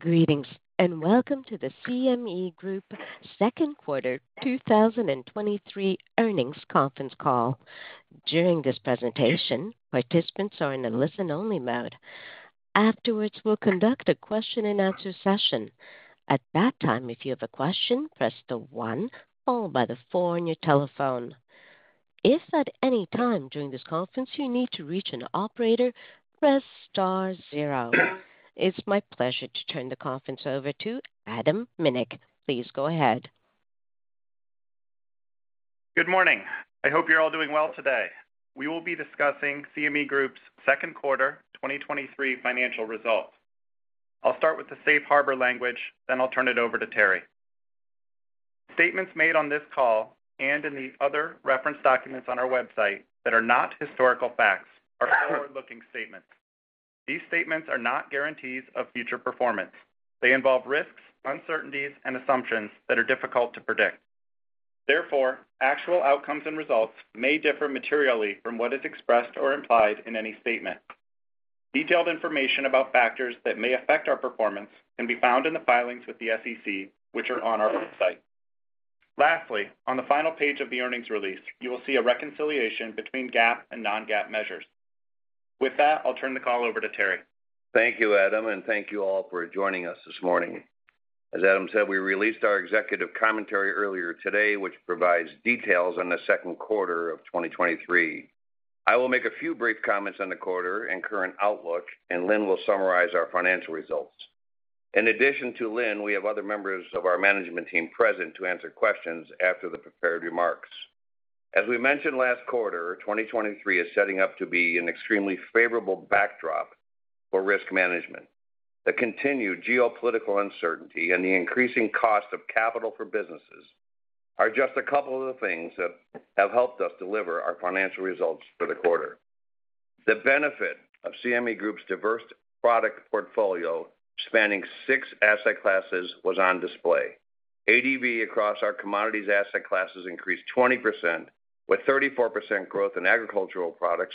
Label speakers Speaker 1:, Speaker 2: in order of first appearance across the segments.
Speaker 1: Greetings, welcome to the CME Group second quarter 2023 earnings conference call. During this presentation, participants are in a listen-only mode. Afterwards, we'll conduct a question-and-answer session. At that time, if you have a question, press the 1, followed by the 4 on your telephone. If at any time during this conference you need to reach an operator, press star 0. It's my pleasure to turn the conference over to Adam Minick. Please go ahead.
Speaker 2: Good morning. I hope you're all doing well today. We will be discussing CME Group's second quarter 2023 financial results. I'll start with the safe harbor language, then I'll turn it over to Terry. Statements made on this call and in the other reference documents on our website that are not historical facts are forward-looking statements. These statements are not guarantees of future performance. They involve risks, uncertainties, and assumptions that are difficult to predict. Therefore, actual outcomes and results may differ materially from what is expressed or implied in any statement. Detailed information about factors that may affect our performance can be found in the filings with the SEC, which are on our website. Lastly, on the final page of the earnings release, you will see a reconciliation between GAAP and non-GAAP measures. With that, I'll turn the call over to Terry.
Speaker 3: Thank you, Adam, thank you all for joining us this morning. As Adam said, we released our executive commentary earlier today, which provides details on the second quarter of 2023. I will make a few brief comments on the quarter and current outlook, Lynne will summarize our financial results. In addition to Lynne, we have other members of our management team present to answer questions after the prepared remarks. As we mentioned last quarter, 2023 is setting up to be an extremely favorable backdrop for risk management. The continued geopolitical uncertainty and the increasing cost of capital for businesses are just a couple of the things that have helped us deliver our financial results for the quarter. The benefit of CME Group's diverse product portfolio, spanning six asset classes, was on display. ADV across our commodities asset classes increased 20%, with 34% growth in agricultural products,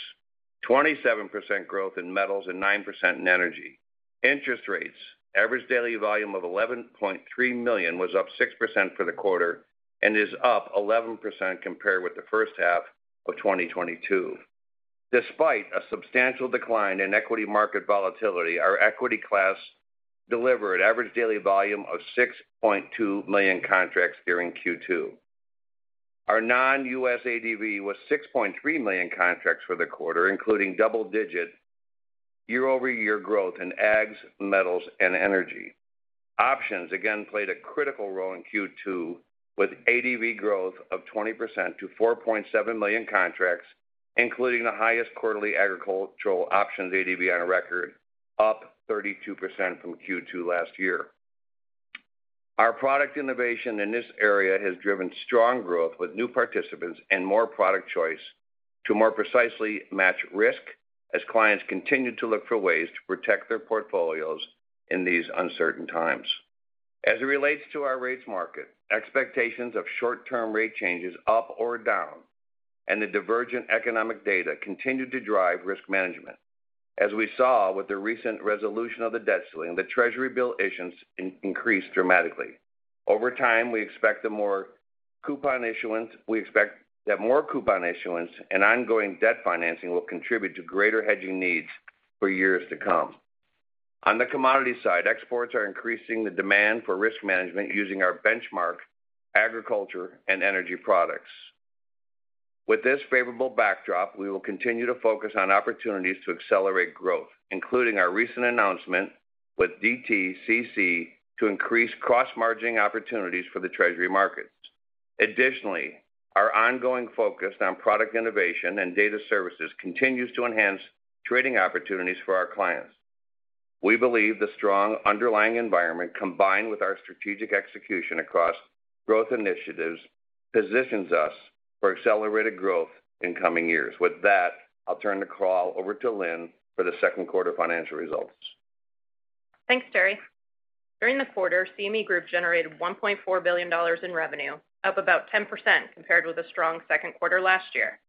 Speaker 3: 27% growth in metals, and 9% in energy. Interest rates, average daily volume of 11.3 million, was up 6% for the quarter and is up 11% compared with the first half of 2022. Despite a substantial decline in equity market volatility, our equity class delivered average daily volume of 6.2 million contracts during Q2. Our non-U.S. ADV was 6.3 million contracts for the quarter, including double-digit year-over-year growth in ags, metals, and energy. Options again played a critical role in Q2, with ADV growth of 20% to 4.7 million contracts, including the highest quarterly agricultural options ADV on record, up 32% from Q2 last year. Our product innovation in this area has driven strong growth with new participants and more product choice to more precisely match risk as clients continue to look for ways to protect their portfolios in these uncertain times. As it relates to our rates market, expectations of short-term rate changes up or down, and the divergent economic data continued to drive risk management. As we saw with the recent resolution of the debt ceiling, the Treasury bill issuance increased dramatically. Over time, we expect that more coupon issuance and ongoing debt financing will contribute to greater hedging needs for years to come. On the commodity side, exports are increasing the demand for risk management using our benchmark agriculture and energy products. With this favorable backdrop, we will continue to focus on opportunities to accelerate growth, including our recent announcement with DTCC to increase cross-margining opportunities for the Treasury markets. Our ongoing focus on product innovation and data services continues to enhance trading opportunities for our clients. We believe the strong underlying environment, combined with our strategic execution across growth initiatives, positions us for accelerated growth in coming years. I'll turn the call over to Lynne for the second quarter financial results.
Speaker 4: Thanks, Terry. During the quarter, CME Group generated $1.4 billion in revenue, up about 10% compared with a strong second quarter last year.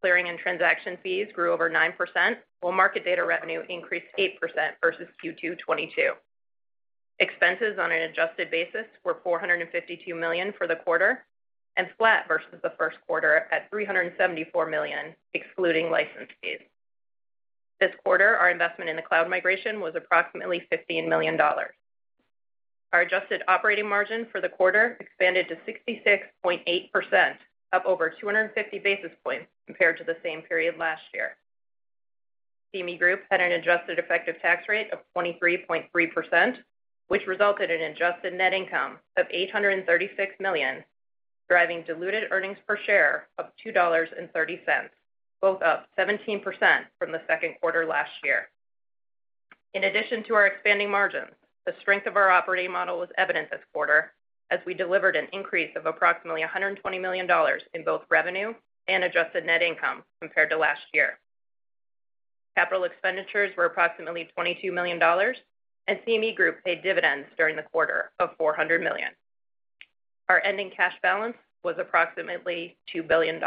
Speaker 4: Clearing and transaction fees grew over 9%, while market data revenue increased 8% versus Q2 2022. Expenses on an adjusted basis were $452 million for the quarter and flat versus the first quarter at $374 million, excluding license fees. This quarter, our investment in the cloud migration was approximately $15 million. Our adjusted operating margin for the quarter expanded to 66.8%, up over 250 basis points compared to the same period last year. CME Group had an adjusted effective tax rate of 23.3%, which resulted in adjusted net income of $836 million, driving diluted earnings per share of $2.30, both up 17% from the second quarter last year. In addition to our expanding margins, the strength of our operating model was evident this quarter as we delivered an increase of approximately $120 million in both revenue and adjusted net income compared to last year. Capital expenditures were approximately $22 million, and CME Group paid dividends during the quarter of $400 million. Our ending cash balance was approximately $2 billion.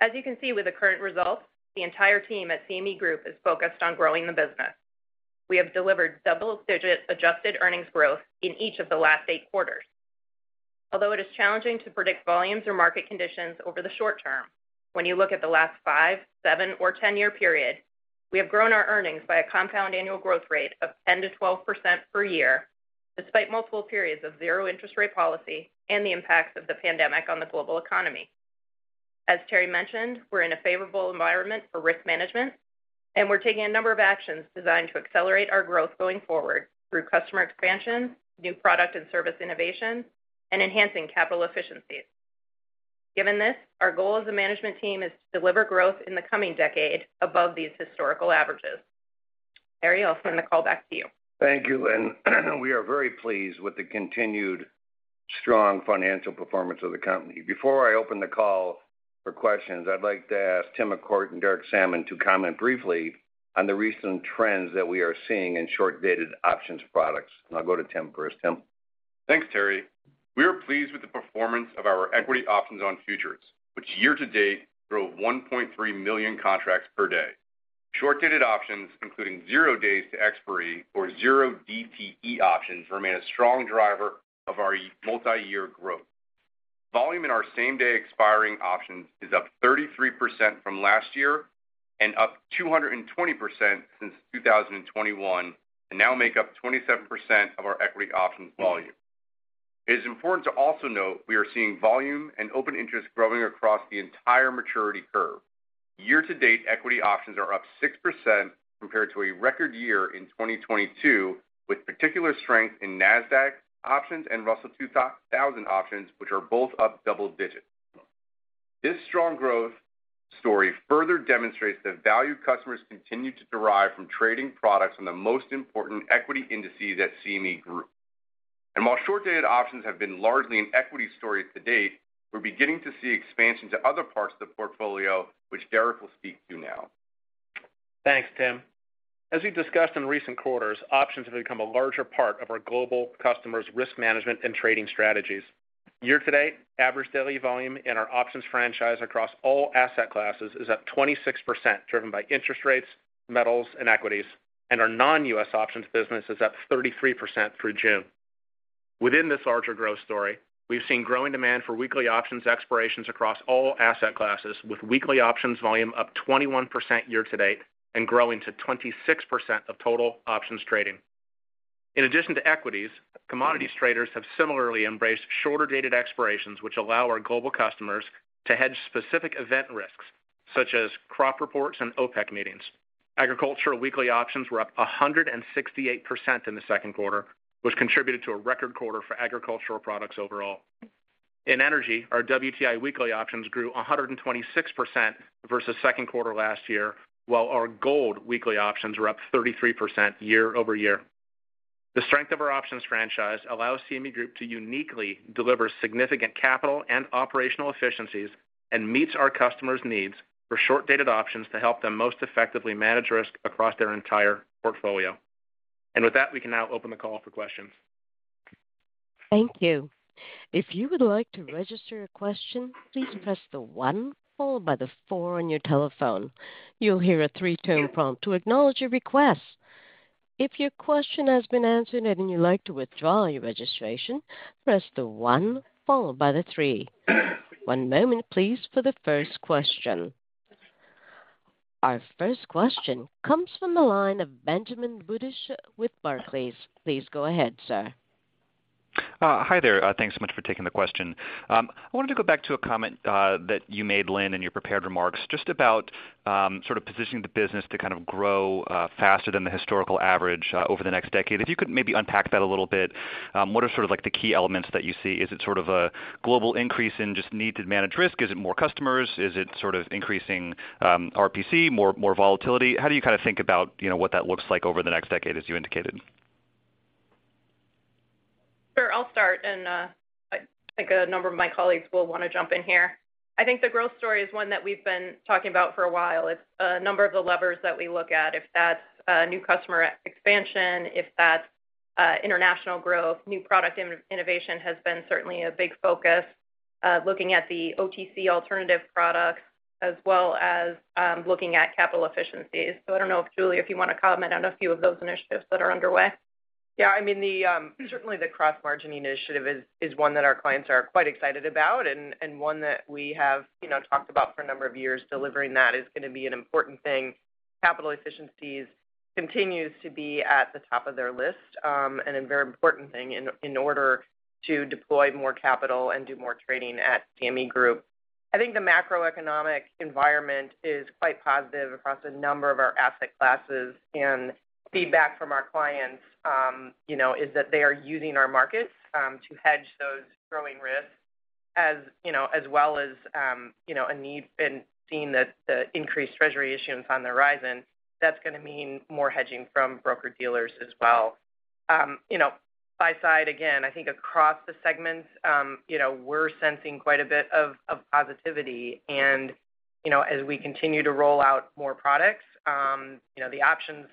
Speaker 4: As you can see with the current results, the entire team at CME Group is focused on growing the business. We have delivered double-digit adjusted earnings growth in each of the last 8 quarters. Although it is challenging to predict volumes or market conditions over the short term, when you look at the last 5, 7, or 10-year period, we have grown our earnings by a compound annual growth rate of 10%-12% per year, despite multiple periods of zero interest rate policy and the impacts of the pandemic on the global economy. As Terry mentioned, we're in a favorable environment for risk management, and we're taking a number of actions designed to accelerate our growth going forward through customer expansion, new product and service innovation, and enhancing capital efficiencies. Given this, our goal as a management team is to deliver growth in the coming decade above these historical averages. Terry, I'll turn the call back to you.
Speaker 3: Thank you, Lynne. We are very pleased with the continued strong financial performance of the company. Before I open the call for questions, I'd like to ask Tim McCourt and Derek Sammann to comment briefly on the recent trends that we are seeing in short-dated options products. I'll go to Tim first. Tim?
Speaker 5: Thanks, Terry. We are pleased with the performance of our equity options on futures, which year-to-date grew 1.3 million contracts per day. Short-dated options, including Zero Days to Expiration or 0DTE options, remain a strong driver of our multiyear growth. Volume in our same-day expiring options is up 33% from last year and up 220% since 2021, and now make up 27% of our equity options volume. It is important to also note we are seeing volume and open interest growing across the entire maturity curve. Year-to-date, equity options are up 6% compared to a record year in 2022, with particular strength in Nasdaq options and Russell 2000 options, which are both up double digits. This strong growth story further demonstrates that value customers continue to derive from trading products on the most important equity indices at CME Group. While short-dated options have been largely an equity story to date, we're beginning to see expansion to other parts of the portfolio, which Derek will speak to now.
Speaker 6: Thanks, Tim. As we've discussed in recent quarters, options have become a larger part of our global customers' risk management and trading strategies. Year-to-date, average daily volume in our options franchise across all asset classes is up 26%, driven by interest rates, metals, and equities, and our non-U.S. options business is up 33% through June. Within this larger growth story, we've seen growing demand for weekly options expirations across all asset classes, with weekly options volume up 21% year-to-date and growing to 26% of total options trading. In addition to equities, commodities traders have similarly embraced shorter-dated expirations, which allow our global customers to hedge specific event risks, such as crop reports and OPEC meetings. Agricultural weekly options were up 168% in the second quarter, which contributed to a record quarter for agricultural products overall. In energy, our WTI weekly options grew 126% versus second quarter last year, while our gold weekly options were up 33% year-over-year. The strength of our options franchise allows CME Group to uniquely deliver significant capital and operational efficiencies, and meets our customers' needs for short-dated options to help them most effectively manage risk across their entire portfolio. With that, we can now open the call for questions.
Speaker 1: Thank you. If you would like to register your question, please press the one followed by the four on your telephone. You'll hear a three-tone prompt to acknowledge your request. If your question has been answered and you'd like to withdraw your registration, press the one followed by the three. One moment, please, for the first question. Our first question comes from the line of Benjamin Budish with Barclays. Please go ahead, sir.
Speaker 7: Hi there. Thanks so much for taking the question. I wanted to go back to a comment that you made, Lynne, in your prepared remarks, just about sort of positioning the business to kind of grow faster than the historical average over the next decade. If you could maybe unpack that a little bit, what are sort of like the key elements that you see? Is it sort of a global increase in just need to manage risk? Is it more customers? Is it sort of increasing RPC, more volatility? How do you kind of think about, you know, what that looks like over the next decade, as you indicated?
Speaker 4: Sure, I'll start, and I think a number of my colleagues will want to jump in here. I think the growth story is one that we've been talking about for a while. It's a number of the levers that we look at, if that's a new customer expansion, if that's international growth. New product in-innovation has been certainly a big focus, looking at the OTC alternative products, as well as, looking at capital efficiencies. I don't know if, Julie, if you want to comment on a few of those initiatives that are underway.
Speaker 8: Yeah, I mean, the certainly the cross-margining initiative is one that our clients are quite excited about and one that we have, you know, talked about for a number of years. Delivering that is going to be an important thing. Capital efficiencies continues to be at the top of their list, and a very important thing in order to deploy more capital and do more trading at CME Group. I think the macroeconomic environment is quite positive across a number of our asset classes. Feedback from our clients, you know, is that they are using our markets to hedge those growing risks. As, you know, as well as, you know, a need been seen that the increased Treasury issuance on the horizon, that's going to mean more hedging from broker-dealers as well. You know, buy-side, again, I think across the segments, you know, we're sensing quite a bit of positivity and, you know, as we continue to roll out more products, you know, the options.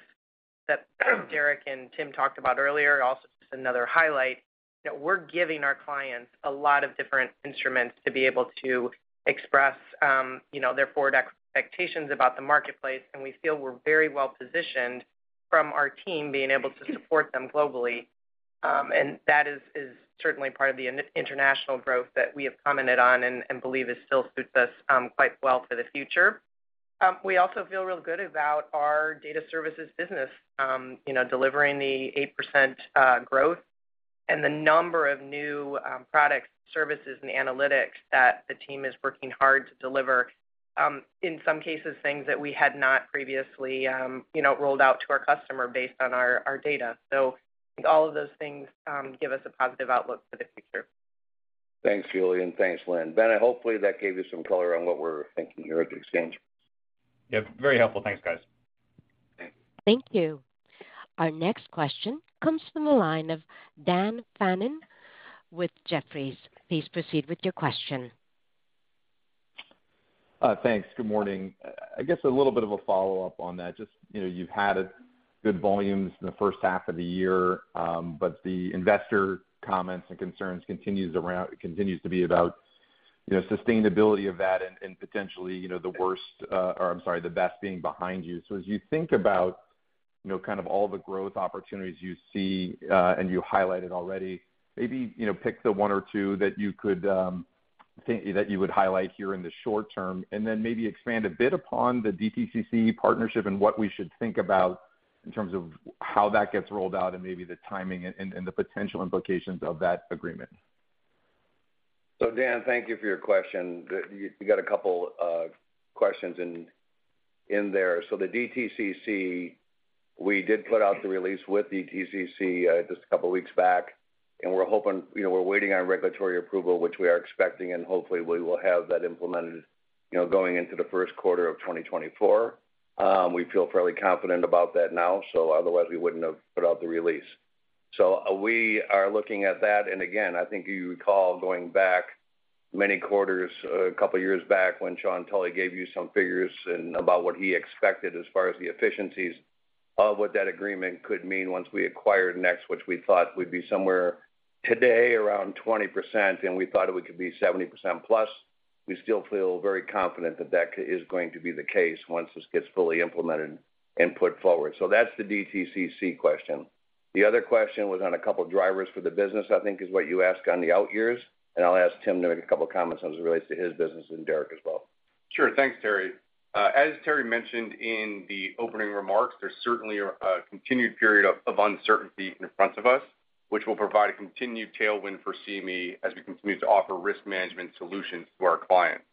Speaker 8: That Derek and Tim talked about earlier, also just another highlight, that we're giving our clients a lot of different instruments to be able to express, you know, their forward expectations about the marketplace, and we feel we're very well positioned from our team being able to support them globally. That is certainly part of the international growth that we have commented on and believe it still suits us quite well for the future. We also feel real good about our data services business, you know, delivering the 8% growth and the number of new products, services, and analytics that the team is working hard to deliver. In some cases, things that we had not previously, you know, rolled out to our customer based on our data. I think all of those things give us a positive outlook for the future.
Speaker 3: Thanks, Julie, and thanks, Lynne. Ben, hopefully, that gave you some color on what we're thinking here at the Exchange.
Speaker 7: Yep, very helpful. Thanks, guys.
Speaker 3: Thank you.
Speaker 1: Thank you. Our next question comes from the line of Dan Fannon with Jefferies. Please proceed with your question.
Speaker 9: Thanks. Good morning. I guess a little bit of a follow-up on that. Just, you know, you've had good volumes in the first half of the year, but the investor comments and concerns continues to be about, you know, sustainability of that and potentially, you know, the worst, or I'm sorry, the best being behind you. As you think about, you know, kind of all the growth opportunities you see, and you highlighted already, maybe, you know, pick the one or two that you could that you would highlight here in the short term, and then maybe expand a bit upon the DTCC partnership and what we should think about in terms of how that gets rolled out and maybe the timing and the potential implications of that agreement.
Speaker 3: Dan, thank you for your question. You got a couple of questions in there. The DTCC, we did put out the release with DTCC just a couple of weeks back. We're hoping. You know, we're waiting on regulatory approval, which we are expecting, and hopefully, we will have that implemented, you know, going into the first quarter of 2024. We feel fairly confident about that now. Otherwise, we wouldn't have put out the release. We are looking at that, and again, I think you recall, going back many quarters, a couple of years back, when Sean Tully gave you some figures and about what he expected as far as the efficiencies of what that agreement could mean once we acquired NEX, which we thought would be somewhere today, around 20%, and we thought it would be 70% plus. We still feel very confident that that is going to be the case once this gets fully implemented and put forward. That's the DTCC question. The other question was on a couple of drivers for the business, I think is what you asked on the out years, and I'll ask Tim to make a couple of comments as it relates to his business and Derek as well.
Speaker 5: Sure. Thanks, Terry. As Terry mentioned in the opening remarks, there's certainly a continued period of uncertainty in front of us, which will provide a continued tailwind for CME as we continue to offer risk management solutions to our clients.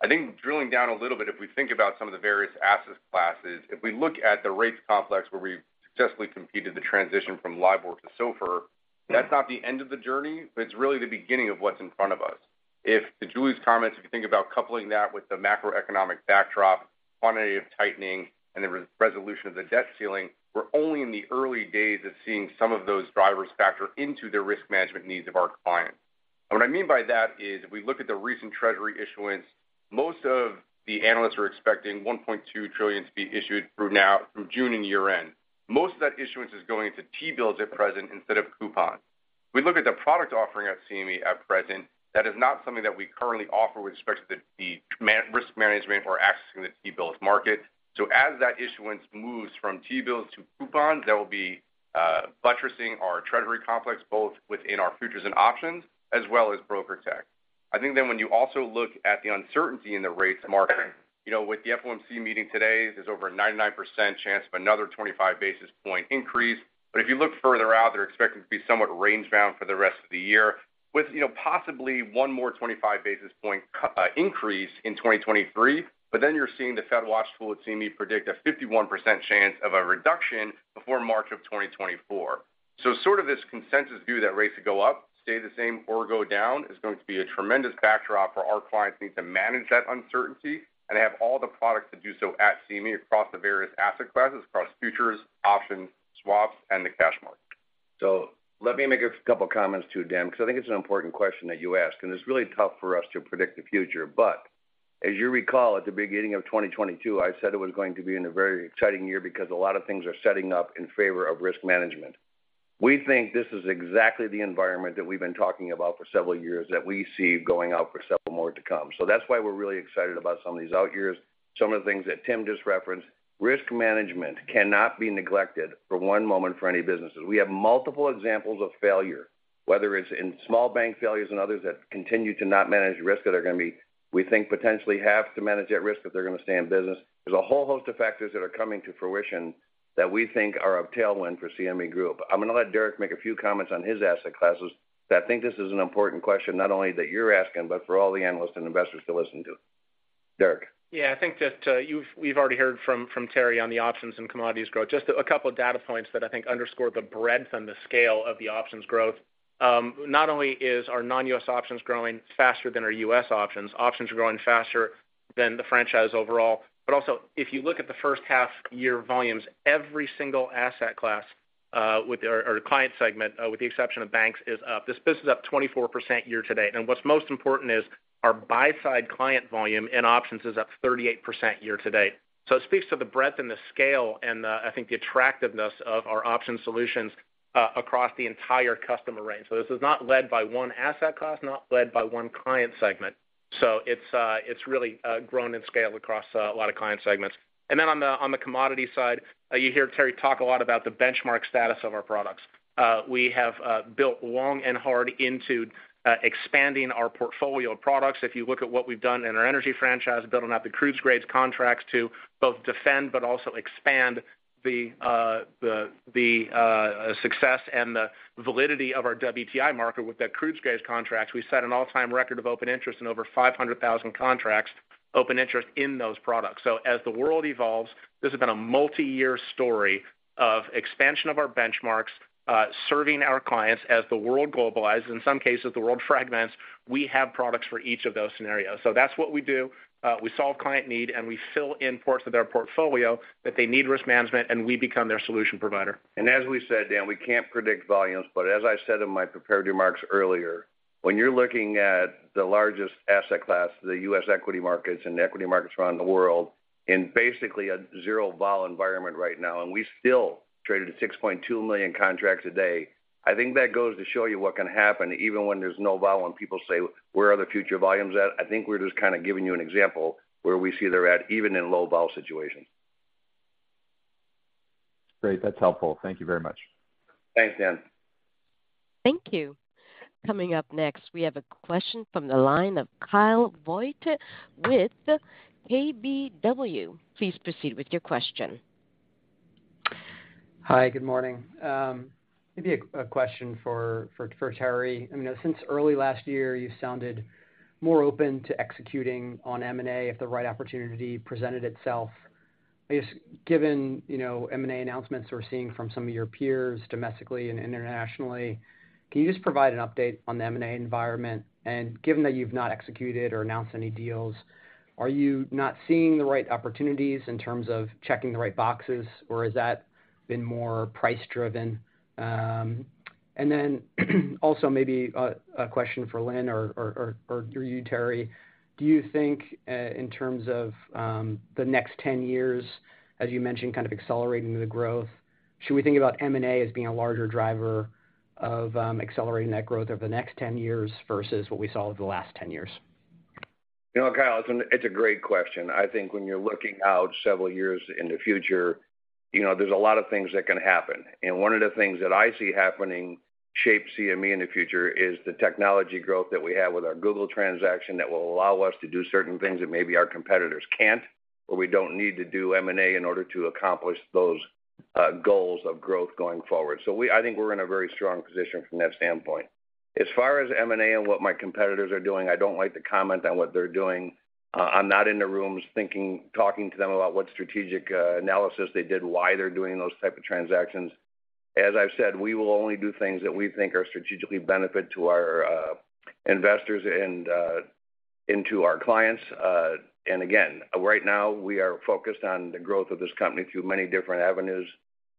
Speaker 5: I think drilling down a little bit, if we think about some of the various asset classes, if we look at the rates complex, where we successfully completed the transition from LIBOR to SOFR, that's not the end of the journey, but it's really the beginning of what's in front of us. If to Julie's comments, if you think about coupling that with the macroeconomic backdrop, quantitative tightening, and the resolution of the debt ceiling, we're only in the early days of seeing some of those drivers factor into the risk management needs of our clients. What I mean by that is, if we look at the recent Treasury issuance, most of the analysts are expecting $1.2 trillion to be issued through now, through June and year-end. Most of that issuance is going into T-bills at present instead of coupons. We look at the product offering at CME at present, that is not something that we currently offer with respect to the risk management or accessing the T-bills market. As that issuance moves from T-bills to coupons, that will be buttressing our Treasury complex, both within our futures and options, as well as BrokerTec. I think when you also look at the uncertainty in the rates market, you know, with the FOMC meeting today, there's over a 99% chance of another 25 basis point increase. If you look further out, they're expecting to be somewhat range-bound for the rest of the year, with, you know, possibly one more 25 basis point increase in 2023. You're seeing the FedWatch Tool at CME predict a 51% chance of a reduction before March of 2024. Sort of this consensus view that rates will go up, stay the same, or go down, is going to be a tremendous backdrop for our clients need to manage that uncertainty and have all the products to do so at CME across the various asset classes, across futures, options, swaps, and the cash market.
Speaker 3: Let me make a couple comments, too, Dan, because I think it's an important question that you asked, and it's really tough for us to predict the future. As you recall, at the beginning of 2022, I said it was going to be a very exciting year because a lot of things are setting up in favor of risk management. We think this is exactly the environment that we've been talking about for several years, that we see going out for several more to come. That's why we're really excited about some of these out years, some of the things that Tim just referenced. Risk management cannot be neglected for 1 moment for any businesses. We have multiple examples of failure, whether it's in small bank failures and others that continue to not manage risk, that are going to be, we think, potentially have to manage that risk if they're going to stay in business. There's a whole host of factors that are coming to fruition that we think are a tailwind for CME Group. I'm going to let Derek make a few comments on his asset classes. I think this is an important question, not only that you're asking, but for all the analysts and investors to listen to. Derek?
Speaker 6: Yeah, I think that we've already heard from Terry on the options and commodities growth. Just a couple of data points that I think underscore the breadth and the scale of the options growth. Not only is our non-U.S. options growing faster than our U.S. options are growing faster than the franchise overall. Also, if you look at the first half year volumes, every single asset class, or client segment, with the exception of banks, is up. This business is up 24% year-to-date. What's most important is our buy-side client volume in options is up 38% year-to-date. It speaks to the breadth and the scale and the, I think, the attractiveness of our option solutions across the entire customer range. This is not led by one asset class, not led by one client segment.It's really grown in scale across a lot of client segments. On the commodity side, you hear Terry talk a lot about the benchmark status of our products. We have built long and hard into expanding our portfolio of products. If you look at what we've done in our energy franchise, building out the crude grades contracts to both defend but also expand the success and the validity of our WTI market with that crude grades contracts, we set an all-time record of open interest in over 500,000 contracts, open interest in those products. As the world evolves, this has been a multi-year story of expansion of our benchmarks, serving our clients as the world globalizes, in some cases, the world fragments, we have products for each of those scenarios. That's what we do. We solve client need, and we fill in parts of their portfolio that they need risk management, and we become their solution provider.
Speaker 3: As we said, Dan, we can't predict volumes, but as I said in my prepared remarks earlier, when you're looking at the largest asset class, the U.S. equity markets and the equity markets around the world, in basically a zero vol environment right now, and we still traded at 6.2 million contracts a day, I think that goes to show you what can happen even when there's no vol, and people say, "Where are the future volumes at?" I think we're just kind of giving you an example where we see they're at, even in low vol situations.
Speaker 9: Great, that's helpful. Thank you very much.
Speaker 3: Thanks, Dan.
Speaker 1: Thank you. Coming up next, we have a question from the line of Kyle Voigt with KBW. Please proceed with your question.
Speaker 10: Hi, good morning. I mean, maybe a question for Terry. Since early last year, you sounded more open to executing on M&A if the right opportunity presented itself. I guess, given, you know, M&A announcements we're seeing from some of your peers, domestically and internationally, can you just provide an update on the M&A environment? Given that you've not executed or announced any deals, are you not seeing the right opportunities in terms of checking the right boxes, or has that been more price-driven? Also maybe a question for Lynne or you, Terry: Do you think, in terms of the next 10 years, as you mentioned, kind of accelerating the growth, should we think about M&A as being a larger driver of accelerating that growth over the next 10 years versus what we saw over the last 10 years?
Speaker 3: You know, Kyle, it's a great question. I think when you're looking out several years in the future, you know, there's a lot of things that can happen. One of the things that I see happening shape CME in the future is the technology growth that we have with our Google transaction that will allow us to do certain things that maybe our competitors can't, or we don't need to do M&A in order to accomplish those goals of growth going forward. I think we're in a very strong position from that standpoint. As far as M&A and what my competitors are doing, I don't like to comment on what they're doing. I'm not in the rooms thinking, talking to them about what strategic analysis they did, why they're doing those type of transactions. As I've said, we will only do things that we think are strategically benefit to our investors and to our clients. Again, right now, we are focused on the growth of this company through many different avenues.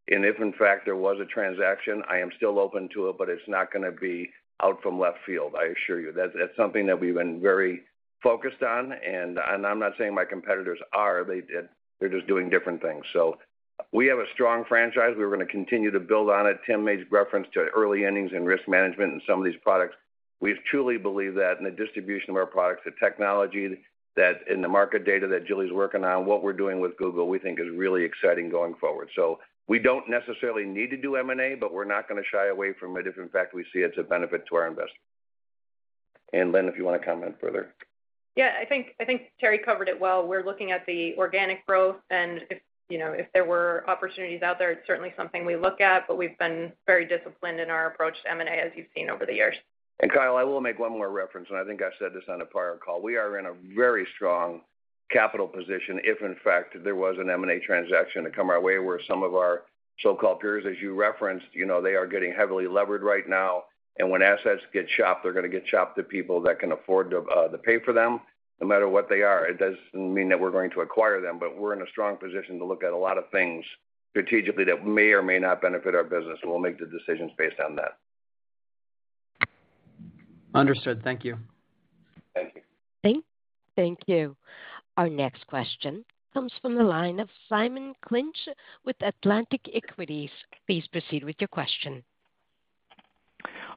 Speaker 3: If, in fact, there was a transaction, I am still open to it, but it's not gonna be out from left field, I assure you. That's something that we've been very focused on, and I'm not saying my competitors are, they're just doing different things. We have a strong franchise. We're gonna continue to build on it. Tim made reference to early innings and risk management in some of these products. We truly believe that in the distribution of our products, the technology that in the market data that Julie's working on, what we're doing with Google, we think is really exciting going forward. We don't necessarily need to do M&A, but we're not gonna shy away from it, if, in fact, we see it's a benefit to our investors. Lynne, if you want to comment further.
Speaker 4: Yeah, I think, I think Terry covered it well. We're looking at the organic growth, and if, you know, if there were opportunities out there, it's certainly something we look at, but we've been very disciplined in our approach to M&A, as you've seen over the years.
Speaker 3: Kyle, I will make one more reference, and I think I said this on a prior call. We are in a very strong capital position, if in fact there was an M&A transaction to come our way, where some of our so-called peers, as you referenced, you know, they are getting heavily levered right now, when assets get chopped, they're gonna get chopped to people that can afford to pay for them, no matter what they are. It doesn't mean that we're going to acquire them, but we're in a strong position to look at a lot of things strategically that may or may not benefit our business, we'll make the decisions based on that.
Speaker 10: Understood. Thank you.
Speaker 3: Thank you.
Speaker 1: Thank you. Our next question comes from the line of Simon Clinch with Atlantic Equities. Please proceed with your question.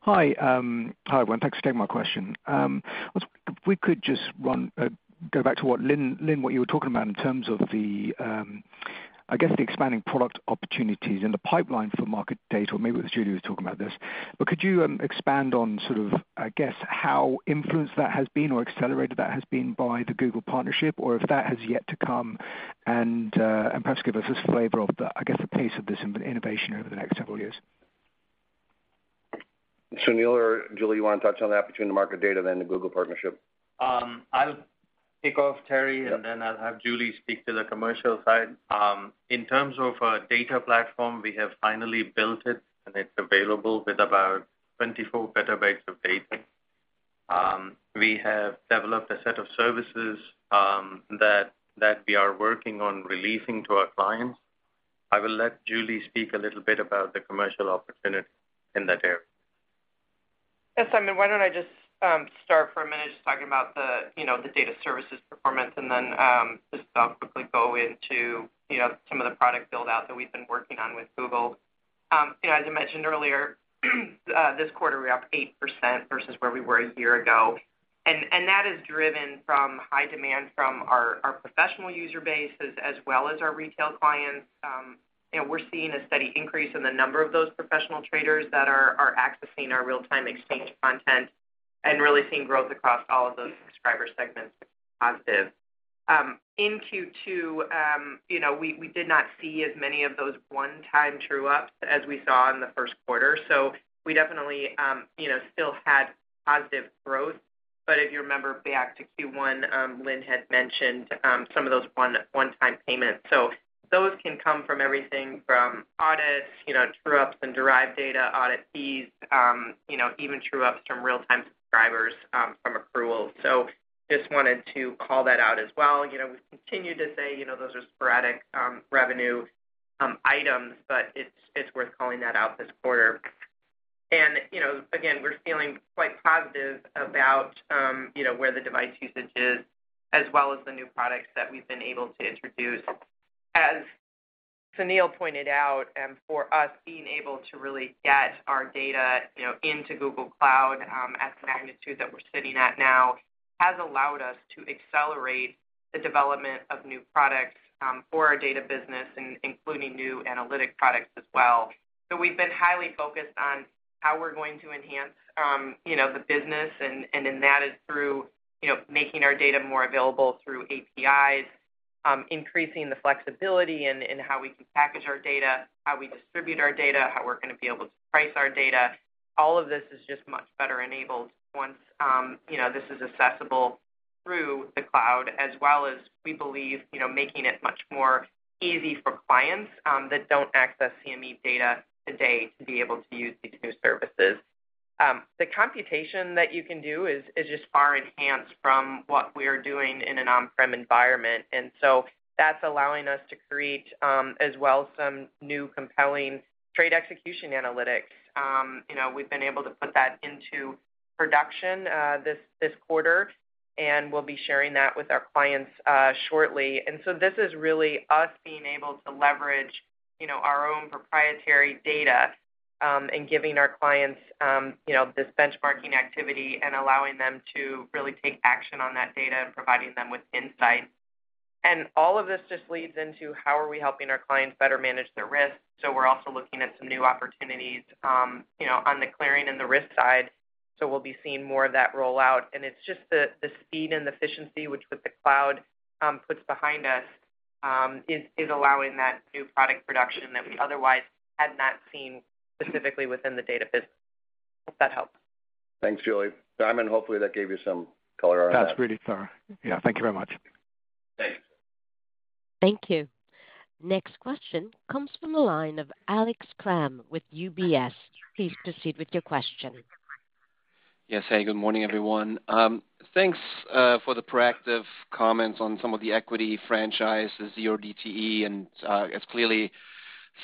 Speaker 11: Hi, hi, everyone. Thanks for taking my question. If we could just run, go back to what Lynne, what you were talking about in terms of the, I guess, the expanding product opportunities and the pipeline for market data, or maybe Julie was talking about this. Could you expand on sort of, I guess, how influenced that has been or accelerated that has been by the Google partnership, or if that has yet to come, and perhaps give us a flavor of the, I guess, the pace of this innovation over the next several years?
Speaker 3: Sunil or Julie, you want to touch on that between the market data and the Google partnership?
Speaker 12: I'll kick off, Terry, and then I'll have Julie speak to the commercial side. In terms of data platform, we have finally built it, and it's available with about 24 petabytes of data. We have developed a set of services that we are working on releasing to our clients. I will let Julie speak a little bit about the commercial opportunity in that area.
Speaker 8: Yes, I mean, why don't I just start for a minute just talking about the, you know, the data services performance, and then just quickly go into, you know, some of the product build-out that we've been working on with Google. You know, as I mentioned earlier, this quarter, we're up 8% versus where we were a year ago. That is driven from high demand from our professional user base, as well as our retail clients. And we're seeing a steady increase in the number of those professional traders that are accessing our real-time exchange content, and really seeing growth across all of those subscriber segments positive. In Q2, you know, we did not see as many of those one-time true-ups as we saw in the first quarter, we definitely, you know, still had positive growth. If you remember back to Q1, Lynne had mentioned some of those one-time payments. Those can come from everything from audits, you know, true-ups and derived data, audit fees, you know, even true-ups from real-time subscribers from approval. Just wanted to call that out as well. You know, we continue to say, you know, those are sporadic revenue items, but it's worth calling that out this quarter. You know, again, we're feeling quite positive about, you know, where the device usage is, as well as the new products that we've been able to introduce. Sunil pointed out, for us, being able to really get our data, you know, into Google Cloud, at the magnitude that we're sitting at now, has allowed us to accelerate the development of new products, for our data business, including new analytic products as well. We've been highly focused on how we're going to enhance, you know, the business, and then that is through, you know, making our data more available through APIs, increasing the flexibility in how we can package our data, how we distribute our data, how we're going to be able to price our data. All of this is just much better enabled once, you know, this is accessible through the cloud, as well as we believe, you know, making it much more easy for clients, that don't access CME data today to be able to use these new services. The computation that you can do is just far enhanced from what we are doing in an on-prem environment, and so that's allowing us to create, as well, some new compelling trade execution analytics. You know, we've been able to put that into production, this quarter, and we'll be sharing that with our clients, shortly. This is really us being able to leverage, you know, our own proprietary data, and giving our clients, you know, this benchmarking activity and allowing them to really take action on that data and providing them with insight. All of this just leads into: How are we helping our clients better manage their risk? We're also looking at some new opportunities, you know, on the clearing and the risk side, so we'll be seeing more of that roll out. It's just the speed and efficiency, which with the cloud, puts behind us, is allowing that new product production that we otherwise had not seen specifically within the data business. Hope that helps.
Speaker 12: Thanks, Julie. Simon, hopefully, that gave you some color on that. That's really thorough. Yeah, thank you very much. Thanks.
Speaker 1: Thank you. Next question comes from the line of Alex Kramm with UBS. Please proceed with your question.
Speaker 13: Yes. Hey, good morning, everyone. Thanks for the proactive comments on some of the equity franchises, your 0DTE, and it's clearly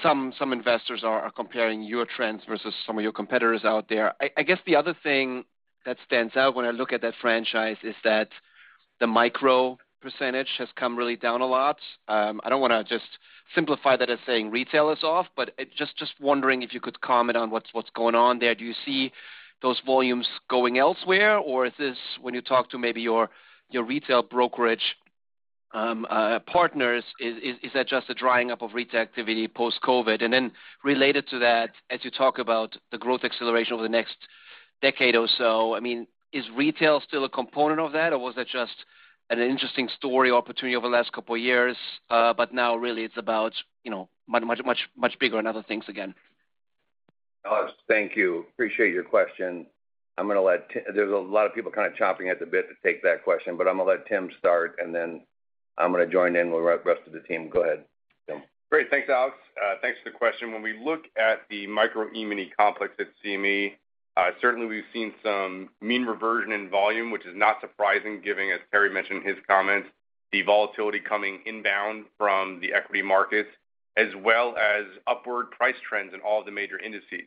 Speaker 13: some investors are comparing your trends versus some of your competitors out there. I guess the other thing that stands out when I look at that franchise is that the micro percentage has come really down a lot. I don't want to just simplify that as saying retail is off, but just wondering if you could comment on what's going on there. Do you see those volumes going elsewhere, or is this when you talk to maybe your retail brokerage partners, is that just a drying up of retail activity post-COVID? Related to that, as you talk about the growth acceleration over the next decade or so, I mean, is retail still a component of that, or was that just an interesting story opportunity over the last couple of years, but now really it's about, you know, much, much, much bigger and other things again?
Speaker 3: Alex, thank you. Appreciate your question. I'm going to let there's a lot of people kind of chomping at the bit to take that question, but I'm going to let Tim start, and then I'm going to join in with the rest of the team. Go ahead, Tim.
Speaker 5: Great. Thanks, Alex. Thanks for the question. When we look at the Micro E-mini complex at CME, certainly we've seen some mean reversion in volume, which is not surprising, given, as Terry mentioned in his comments, the volatility coming inbound from the equity markets, as well as upward price trends in all the major indices.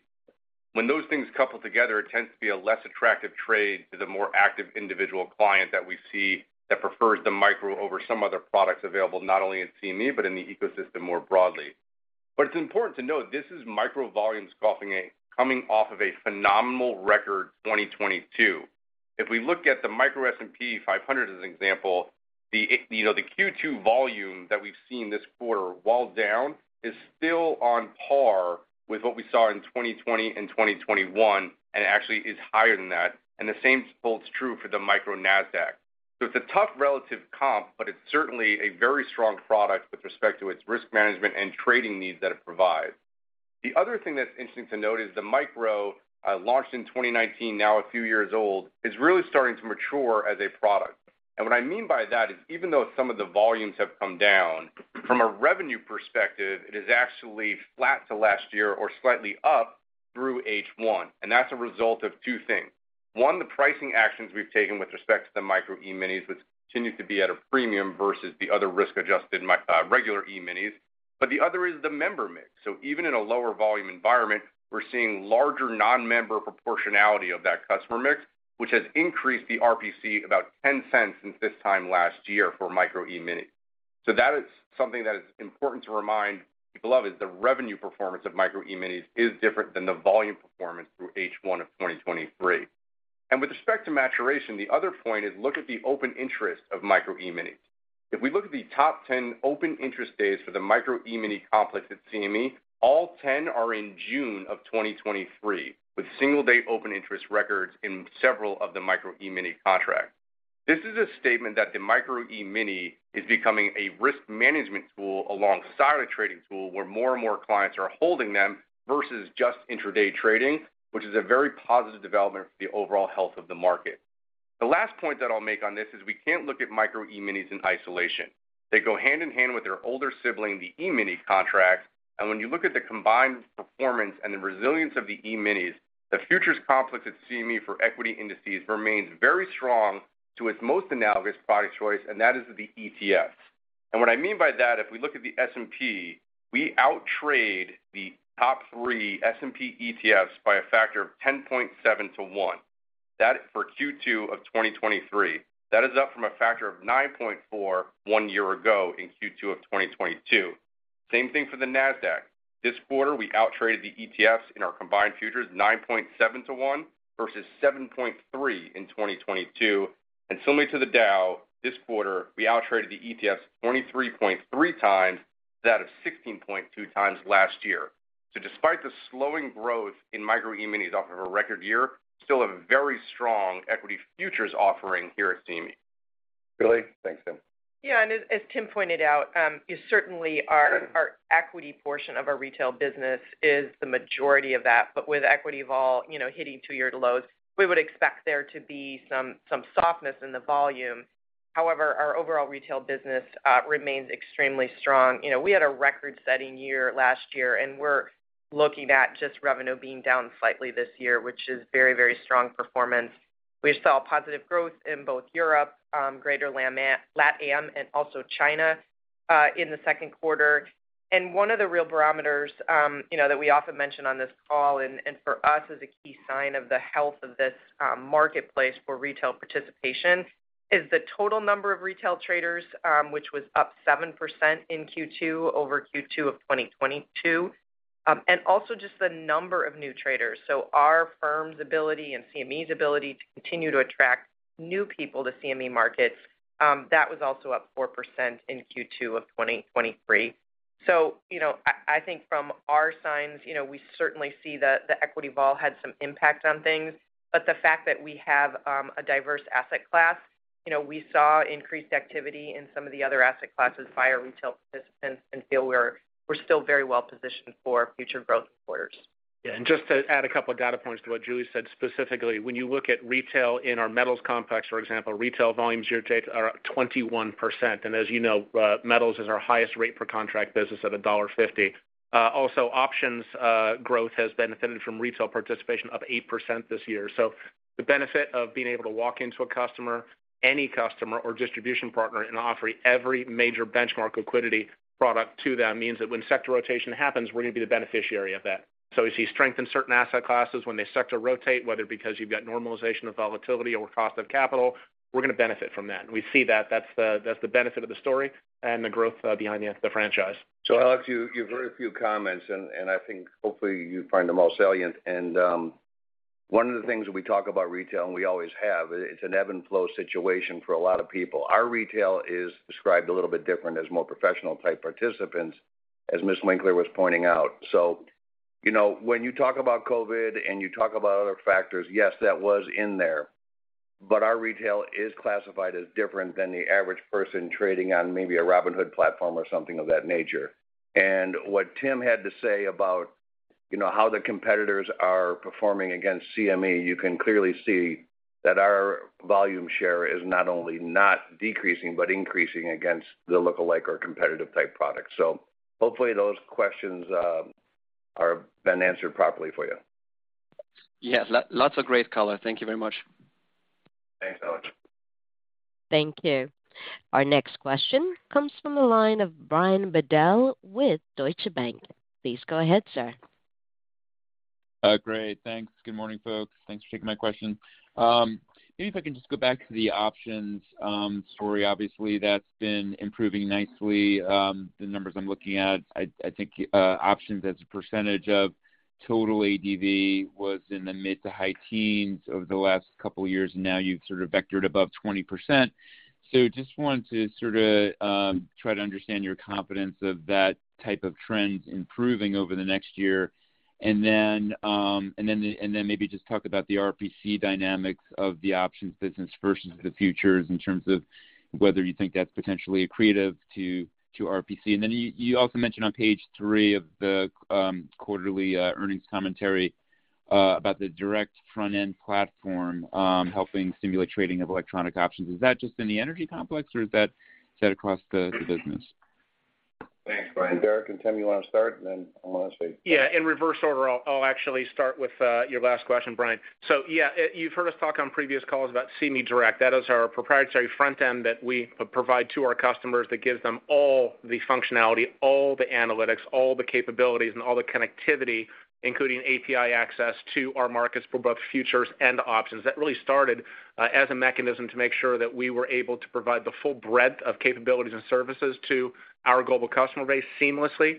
Speaker 5: When those things couple together, it tends to be a less attractive trade to the more active individual client that we see that prefers the micro over some other products available, not only in CME, but in the ecosystem more broadly. It's important to note this is micro volumes coming off of a phenomenal record 2022. If we look at the Micro S&P 500, as an example, you know, the Q2 volume that we've seen this quarter, while down, is still on par with what we saw in 2020 and 2021, and actually is higher than that. The same holds true for the Micro Nasdaq. It's a tough relative comp, but it's certainly a very strong product with respect to its risk management and trading needs that it provides. The other thing that's interesting to note is the micro launched in 2019, now a few years old, is really starting to mature as a product. What I mean by that is, even though some of the volumes have come down, from a revenue perspective, it is actually flat to last year or slightly up through H1, and that's a result of 2 things. 1, the pricing actions we've taken with respect to the Micro E-minis, which continues to be at a premium versus the other risk-adjusted regular E-minis, but the other is the member mix. Even in a lower volume environment, we're seeing larger non-member proportionality of that customer mix, which has increased the RPC about $0.10 since this time last year for Micro E-mini. That is something that is important to remind people of, is the revenue performance of Micro E-minis is different than the volume performance through H1 of 2023. With respect to maturation, the other point is look at the open interest of Micro E-minis. If we look at the top 10 open interest days for the Micro E-mini complex at CME, all 10 are in June of 2023, with single day open interest records in several of the Micro E-mini contracts. This is a statement that the Micro E-mini is becoming a risk management tool alongside a trading tool, where more and more clients are holding them versus just intraday trading, which is a very positive development for the overall health of the market. The last point that I'll make on this is we can't look at Micro E-minis in isolation. They go hand-in-hand with their older sibling, the E-mini contracts, and when you look at the combined performance and the resilience of the E-minis, the futures complex at CME for equity indices remains very strong to its most analogous product choice, and that is the ETFs. What I mean by that, if we look at the S&P, we outtrade the top 3 S&P ETFs by a factor of 10.7 to 1. That for Q2 of 2023. That is up from a factor of 9.4, 1 year ago in Q2 of 2022. Same thing for the Nasdaq. This quarter, we outtraded the ETFs in our combined futures, 9.7 to 1 versus 7.3 in 2022. Similarly to the Dow, this quarter, we outtraded the ETFs 23.3 times, that of 16.2 times last year. Despite the slowing growth in Micro E-minis off of a record year, still a very strong equity futures offering here at CME.
Speaker 3: Julie? Thanks, Tim.
Speaker 8: As Tim pointed out, is certainly our equity portion of our retail business is the majority of that. With equity vol, you know, hitting 2-year lows, we would expect there to be some softness in the volume. However, our overall retail business remains extremely strong. You know, we had a record-setting year last year, we're looking at just revenue being down slightly this year, which is very, very strong performance. We saw positive growth in both Europe, greater LatAm, and also China in the second quarter. One of the real barometers, you know, that we often mention on this call, and for us, is a key sign of the health of this, marketplace for retail participation, is the total number of retail traders, which was up 7% in Q2 over Q2 of 2022. Also just the number of new traders. Our firm's ability and CME's ability to continue to attract new people to CME markets, that was also up 4% in Q2 of 2023. You know, I think from our signs, you know, we certainly see that the equity vol had some impact on things, but the fact that we have a diverse asset class, you know, we saw increased activity in some of the other asset classes by our retail participants, and feel we're still very well positioned for future growth quarters.
Speaker 6: Yeah, just to add a couple of data points to what Julie said, specifically, when you look at retail in our metals complex, for example, retail volumes year-to-date are up 21%. As you know, metals is our highest rate per contract business at $1.50. Also, options growth has benefited from retail participation of 8% this year. The benefit of being able to walk into a customer, any customer or distribution partner, and offer every major benchmark liquidity product to them, means that when sector rotation happens, we're going to be the beneficiary of that. We see strength in certain asset classes when they sector rotate, whether because you've got normalization of volatility or cost of capital, we're going to benefit from that. We see that's the, that's the benefit of the story and the growth behind the franchise.
Speaker 3: Alex, you have very few comments, and I think hopefully you find them all salient. One of the things that we talk about retail, and we always have, it's an ebb and flow situation for a lot of people. Our retail is described a little bit different as more professional-type participants, as Julie Winkler was pointing out. You know, when you talk about COVID and you talk about other factors, yes, that was in there, but our retail is classified as different than the average person trading on maybe a Robinhood platform or something of that nature. What Tim had to say about, you know, how the competitors are performing against CME, you can clearly see that our volume share is not only not decreasing, but increasing against the look-alike or competitive-type products. Hopefully those questions, are been answered properly for you.
Speaker 13: Yes, lots of great color. Thank you very much.
Speaker 3: Thanks, Alex.
Speaker 1: Thank you. Our next question comes from the line of Brian Bedell with Deutsche Bank. Please go ahead, sir.
Speaker 14: Great, thanks. Good morning, folks. Thanks for taking my question. Maybe if I can just go back to the options story. Obviously, that's been improving nicely. The numbers I'm looking at, I think options as a percentage of total ADV was in the mid to high teens over the last couple of years, now you've sort of vectored above 20%. Just wanted to sort of try to understand your confidence of that type of trend improving over the next year. Then maybe just talk about the RPC dynamics of the options business versus the futures, in terms of whether you think that's potentially accretive to RPC. Then you also mentioned on page 3 of the quarterly earnings commentary about the direct front-end platform, helping stimulate trading of electronic options. Is that just in the energy complex, or is that across the business?
Speaker 3: Thanks, Brian. Derek and Tim, you want to start?
Speaker 6: Yeah, in reverse order, I'll actually start with your last question, Brian. Yeah, you've heard us talk on previous calls about CME Direct. That is our proprietary front end that we provide to our customers that gives them all the functionality, all the analytics, all the capabilities, and all the connectivity, including API access to our markets for both futures and options. That really started as a mechanism to make sure that we were able to provide the full breadth of capabilities and services to our global customer base seamlessly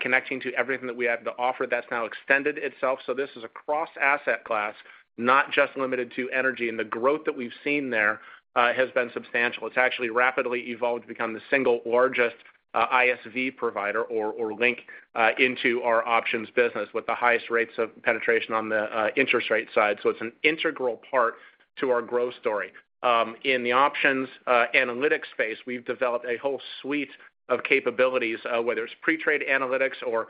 Speaker 6: connecting to everything that we have to offer that's now extended itself. This is across asset class, not just limited to energy, and the growth that we've seen there has been substantial. It's actually rapidly evolved to become the single largest ISV provider or link into our options business with the highest rates of penetration on the interest rate side. It's an integral part to our growth story. In the options analytics space, we've developed a whole suite of capabilities, whether it's pre-trade analytics or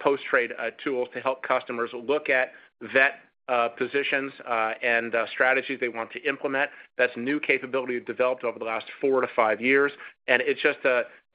Speaker 6: post-trade tools, to help customers look at vet positions and strategies they want to implement. That's new capability developed over the last four to five years, and it's just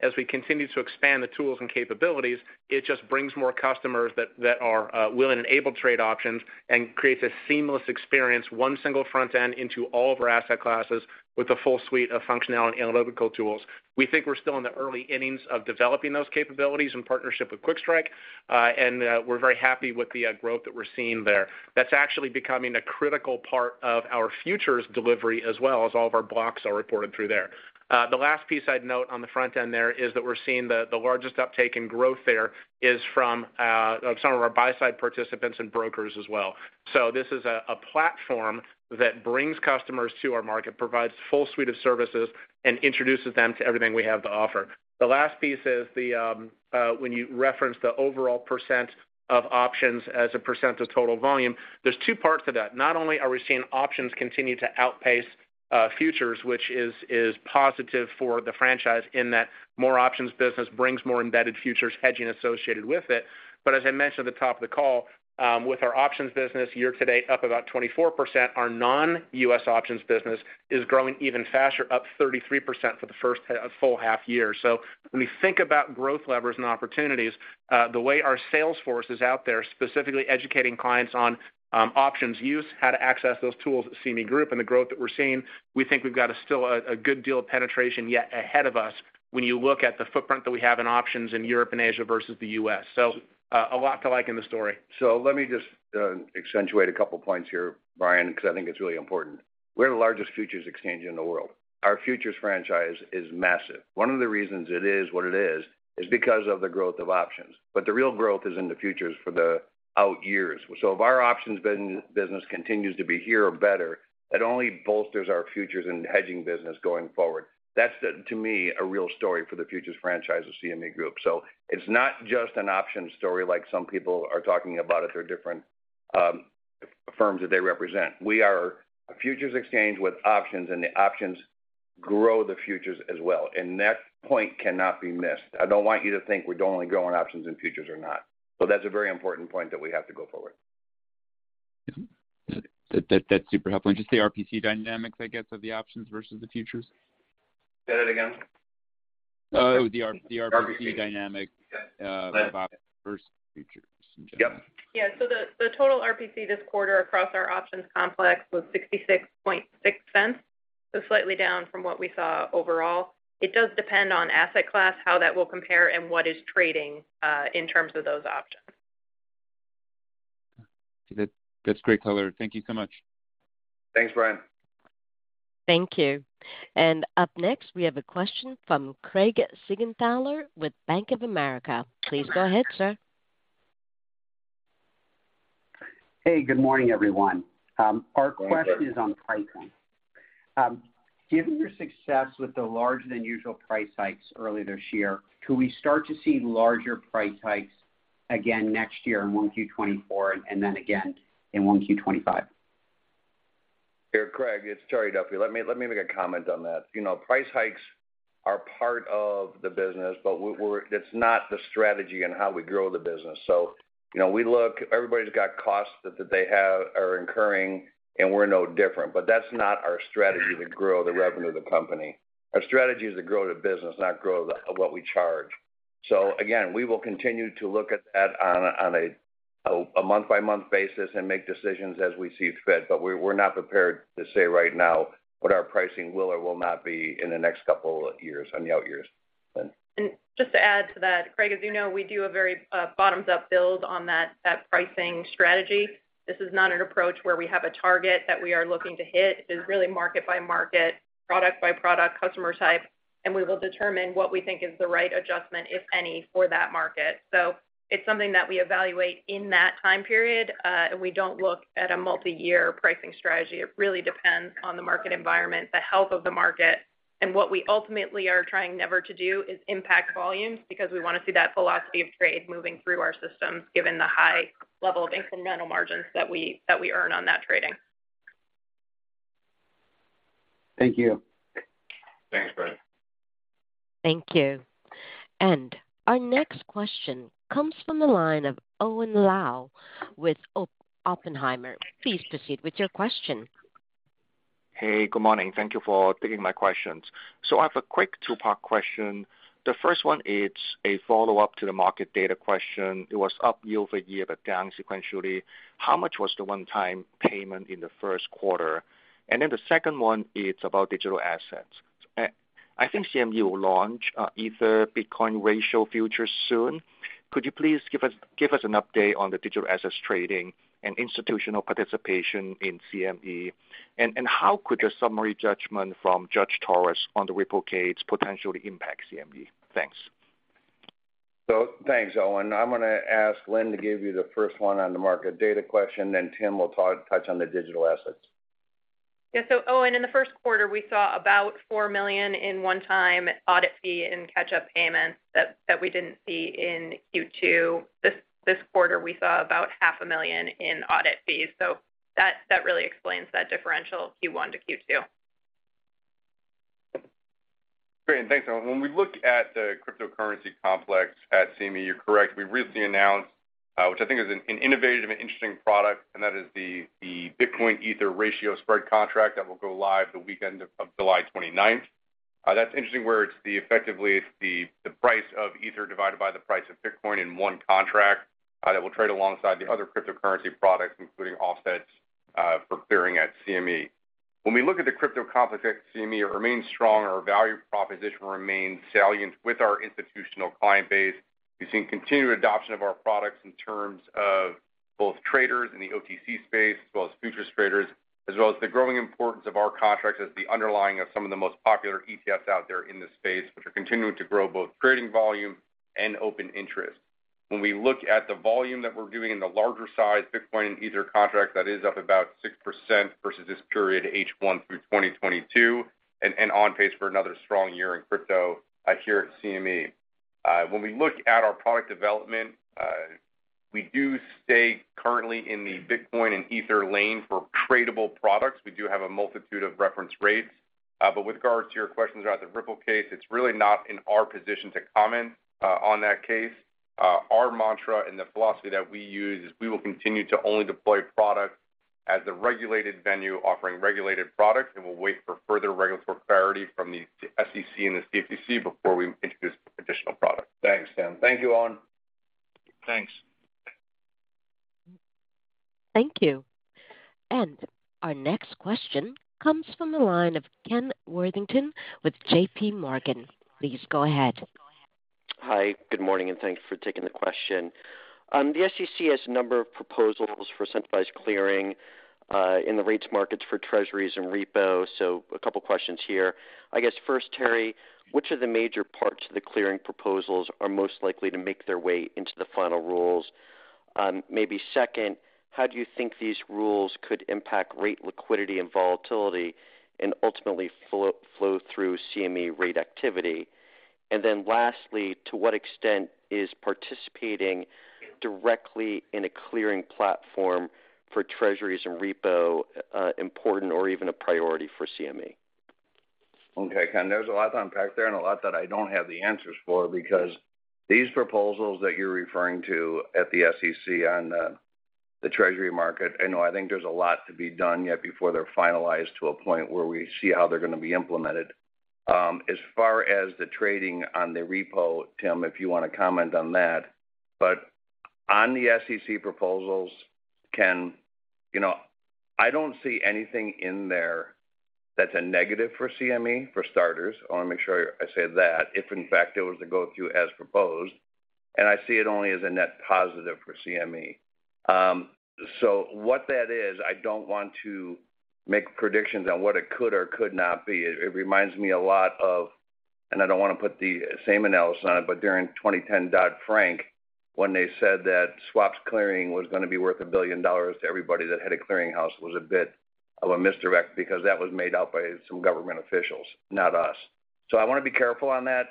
Speaker 6: as we continue to expand the tools and capabilities, it just brings more customers that are willing and able to trade options and creates a seamless experience, one single front end into all of our asset classes with a full suite of functionality and analytical tools. We think we're still in the early innings of developing those capabilities in partnership with QuikStrike, and we're very happy with the growth that we're seeing there. That's actually becoming a critical part of our futures delivery, as well as all of our blocks are reported through there. The last piece I'd note on the front end there is that we're seeing the largest uptake in growth there is from some of our buy side participants and brokers as well. This is a platform that brings customers to our market, provides full suite of services, and introduces them to everything we have to offer. The last piece is when you reference the overall % of options as a % of total volume, there's 2 parts to that. Not only are we seeing options continue to outpace futures, which is positive for the franchise, in that more options business brings more embedded futures hedging associated with it. As I mentioned at the top of the call, with our options business year to date, up about 24%, our non-U.S. options business is growing even faster, up 33% for the first full half year. When we think about growth levers and opportunities, the way our sales force is out there, specifically educating clients on options use, how to access those tools at CME Group, and the growth that we're seeing, we think we've got a good deal of penetration yet ahead of us when you look at the footprint that we have in options in Europe and Asia versus the U.S. A lot to like in the story.
Speaker 5: Let me just accentuate a couple points here, Brian, because I think it's really important. We're the largest futures exchange in the world. Our futures franchise is massive. One of the reasons it is what it is because of the growth of options. The real growth is in the futures for the out years. If our options business continues to be here or better, it only bolsters our futures and hedging business going forward. That's, to me, a real story for the futures franchise of CME Group. It's not just an option story like some people are talking about at their different firms that they represent. We are a futures exchange with options, and the options grow the futures as well, and that point cannot be missed. I don't want you to think we're only growing options and futures are not. That's a very important point that we have to go forward.
Speaker 14: That's super helpful. Just the RPC dynamics, I guess, of the options versus the futures?
Speaker 3: Say that again.
Speaker 14: The RPC dynamic of options versus futures in general.
Speaker 3: Yep.
Speaker 4: The total RPC this quarter across our options complex was $0.666, so slightly down from what we saw overall. It does depend on asset class, how that will compare, and what is trading in terms of those options.
Speaker 14: That's great color. Thank you so much.
Speaker 3: Thanks, Brian.
Speaker 1: Thank you. Up next, we have a question from Craig Siegenthaler with Bank of America. Please go ahead, sir.
Speaker 15: Hey, good morning everyone, is on pricing. Given your success with the larger than usual price hikes earlier this year, could we start to see larger price hikes again next year in 1Q 2024 and then again in 1Q 2025?
Speaker 3: Hey, Craig, it's Terry Duffy. Let me make a comment on that. You know, price hikes are part of the business, but it's not the strategy on how we grow the business. You know, we look... Everybody's got costs that they are incurring, and we're no different. That's not our strategy to grow the revenue of the company. Our strategy is to grow the business, not grow what we charge. Again, we will continue to look at that on a month-by-month basis and make decisions as we see fit, but we're not prepared to say right now what our pricing will or will not be in the next couple of years, on the out years. Lynne?
Speaker 4: Just to add to that, Craig, as you know, we do a very bottoms-up build on that pricing strategy. This is not an approach where we have a target that we are looking to hit. It's really market by market, product by product, customer type, and we will determine what we think is the right adjustment, if any, for that market. It's something that we evaluate in that time period, and we don't look at a multi-year pricing strategy. It really depends on the market environment, the health of the market. What we ultimately are trying never to do is impact volumes, because we want to see that velocity of trade moving through our systems, given the high level of incremental margins that we earn on that trading.
Speaker 14: Thank you.
Speaker 3: Thanks, Brian.
Speaker 1: Thank you. Our next question comes from the line of Owen Lau with Oppenheimer. Please proceed with your question.
Speaker 16: Hey, good morning. Thank you for taking my questions. I have a quick two-part question. The first one is a follow-up to the market data question. It was up year-over-year, but down sequentially. How much was the one-time payment in the first quarter? The second one is about digital assets. I think CME will launch Ether/Bitcoin Ratio futures soon. Could you please give us an update on the digital assets trading and institutional participation in CME? How could your summary judgment from Analisa Torres on the Ripple case potentially impact CME? Thanks.
Speaker 3: Thanks, Owen. I'm going to ask Lynne to give you the first one on the market data question, then Tim will touch on the digital assets.
Speaker 4: Owen, in the first quarter, we saw about $4 million in one-time audit fee and catch-up payments that we didn't see in Q2. This quarter, we saw about half a million in audit fees, that really explains that differential, Q1 to Q2.
Speaker 5: Great. Thanks, Owen. When we look at the cryptocurrency complex at CME, you're correct. We recently announced, which I think is an innovative and interesting product, and that is the Bitcoin-Ether ratio spread contract that will go live the weekend of July 29th. That's interesting, where effectively, it's the price of Ether divided by the price of Bitcoin in one contract, that will trade alongside the other cryptocurrency products, including offsets, for clearing at CME. When we look at the crypto complex at CME, it remains strong, and our value proposition remains salient with our institutional client base. We've seen continued adoption of our products in terms of both traders in the OTC space, as well as futures traders, as well as the growing importance of our contracts as the underlying of some of the most popular ETFs out there in this space, which are continuing to grow both trading volume and open interest. When we look at the volume that we're doing in the larger size Bitcoin and Ether contracts, that is up about 6% versus this period H1 through 2022, and on pace for another strong year in crypto, here at CME. When we look at our product development, we do stay currently in the Bitcoin and Ether lane for tradable products. We do have a multitude of reference rates. With regards to your questions about the Ripple case, it's really not in our position to comment on that case. Our mantra and the philosophy that we use is we will continue to only deploy products as a regulated venue offering regulated products, and we'll wait for further regulatory clarity from the SEC and the CFTC before we introduce additional products.
Speaker 3: Thanks, Tim. Thank you, Owen.
Speaker 16: Thanks.
Speaker 1: Thank you. Our next question comes from the line of Kenneth Worthington with JPMorgan. Please go ahead.
Speaker 17: Hi, good morning, and thank you for taking the question. The SEC has a number of proposals for centralized clearing in the rates markets for Treasuries and repo. A couple of questions here. I guess first, Terry, which of the major parts of the clearing proposals are most likely to make their way into the final rules? Maybe second, how do you think these rules could impact rate, liquidity and volatility and ultimately flow through CME rate activity? Lastly, to what extent is participating directly in a clearing platform for Treasuries and repo, important or even a priority for CME?
Speaker 3: Ken, there's a lot to unpack there and a lot that I don't have the answers for, because these proposals that you're referring to at the SEC on the Treasury market, I know I think there's a lot to be done yet before they're finalized to a point where we see how they're going to be implemented. As far as the trading on the repo, Tim, if you want to comment on that. On the SEC proposals, Ken, you know, I don't see anything in there that's a negative for CME, for starters. I want to make sure I say that, if in fact, it was to go through as proposed, and I see it only as a net positive for CME. What that is, I don't want to make predictions on what it could or could not be. It reminds me a lot of. I don't want to put the same analysis on it, but during 2010 Dodd-Frank, when they said that swaps clearing was going to be worth $1 billion to everybody that had a clearinghouse, was a bit of a misdirect because that was made up by some government officials, not us. I want to be careful on that,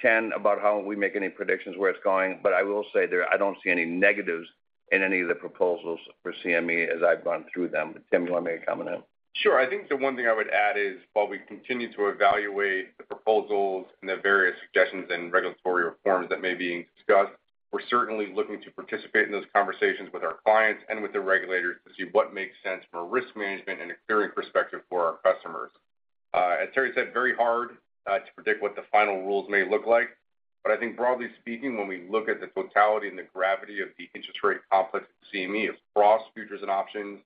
Speaker 3: Ken, about how we make any predictions where it's going, but I will say there, I don't see any negatives in any of the proposals for CME as I've gone through them. Tim, you want to make a comment on?
Speaker 5: Sure. I think the one thing I would add is, while we continue to evaluate the proposals and the various suggestions and regulatory reforms that may be being discussed, we're certainly looking to participate in those conversations with our clients and with the regulators to see what makes sense from a risk management and a clearing perspective for our customers. As Terry said, very hard to predict what the final rules may look like. I think broadly speaking, when we look at the totality and the gravity of the interest rate complex at CME, across futures and options,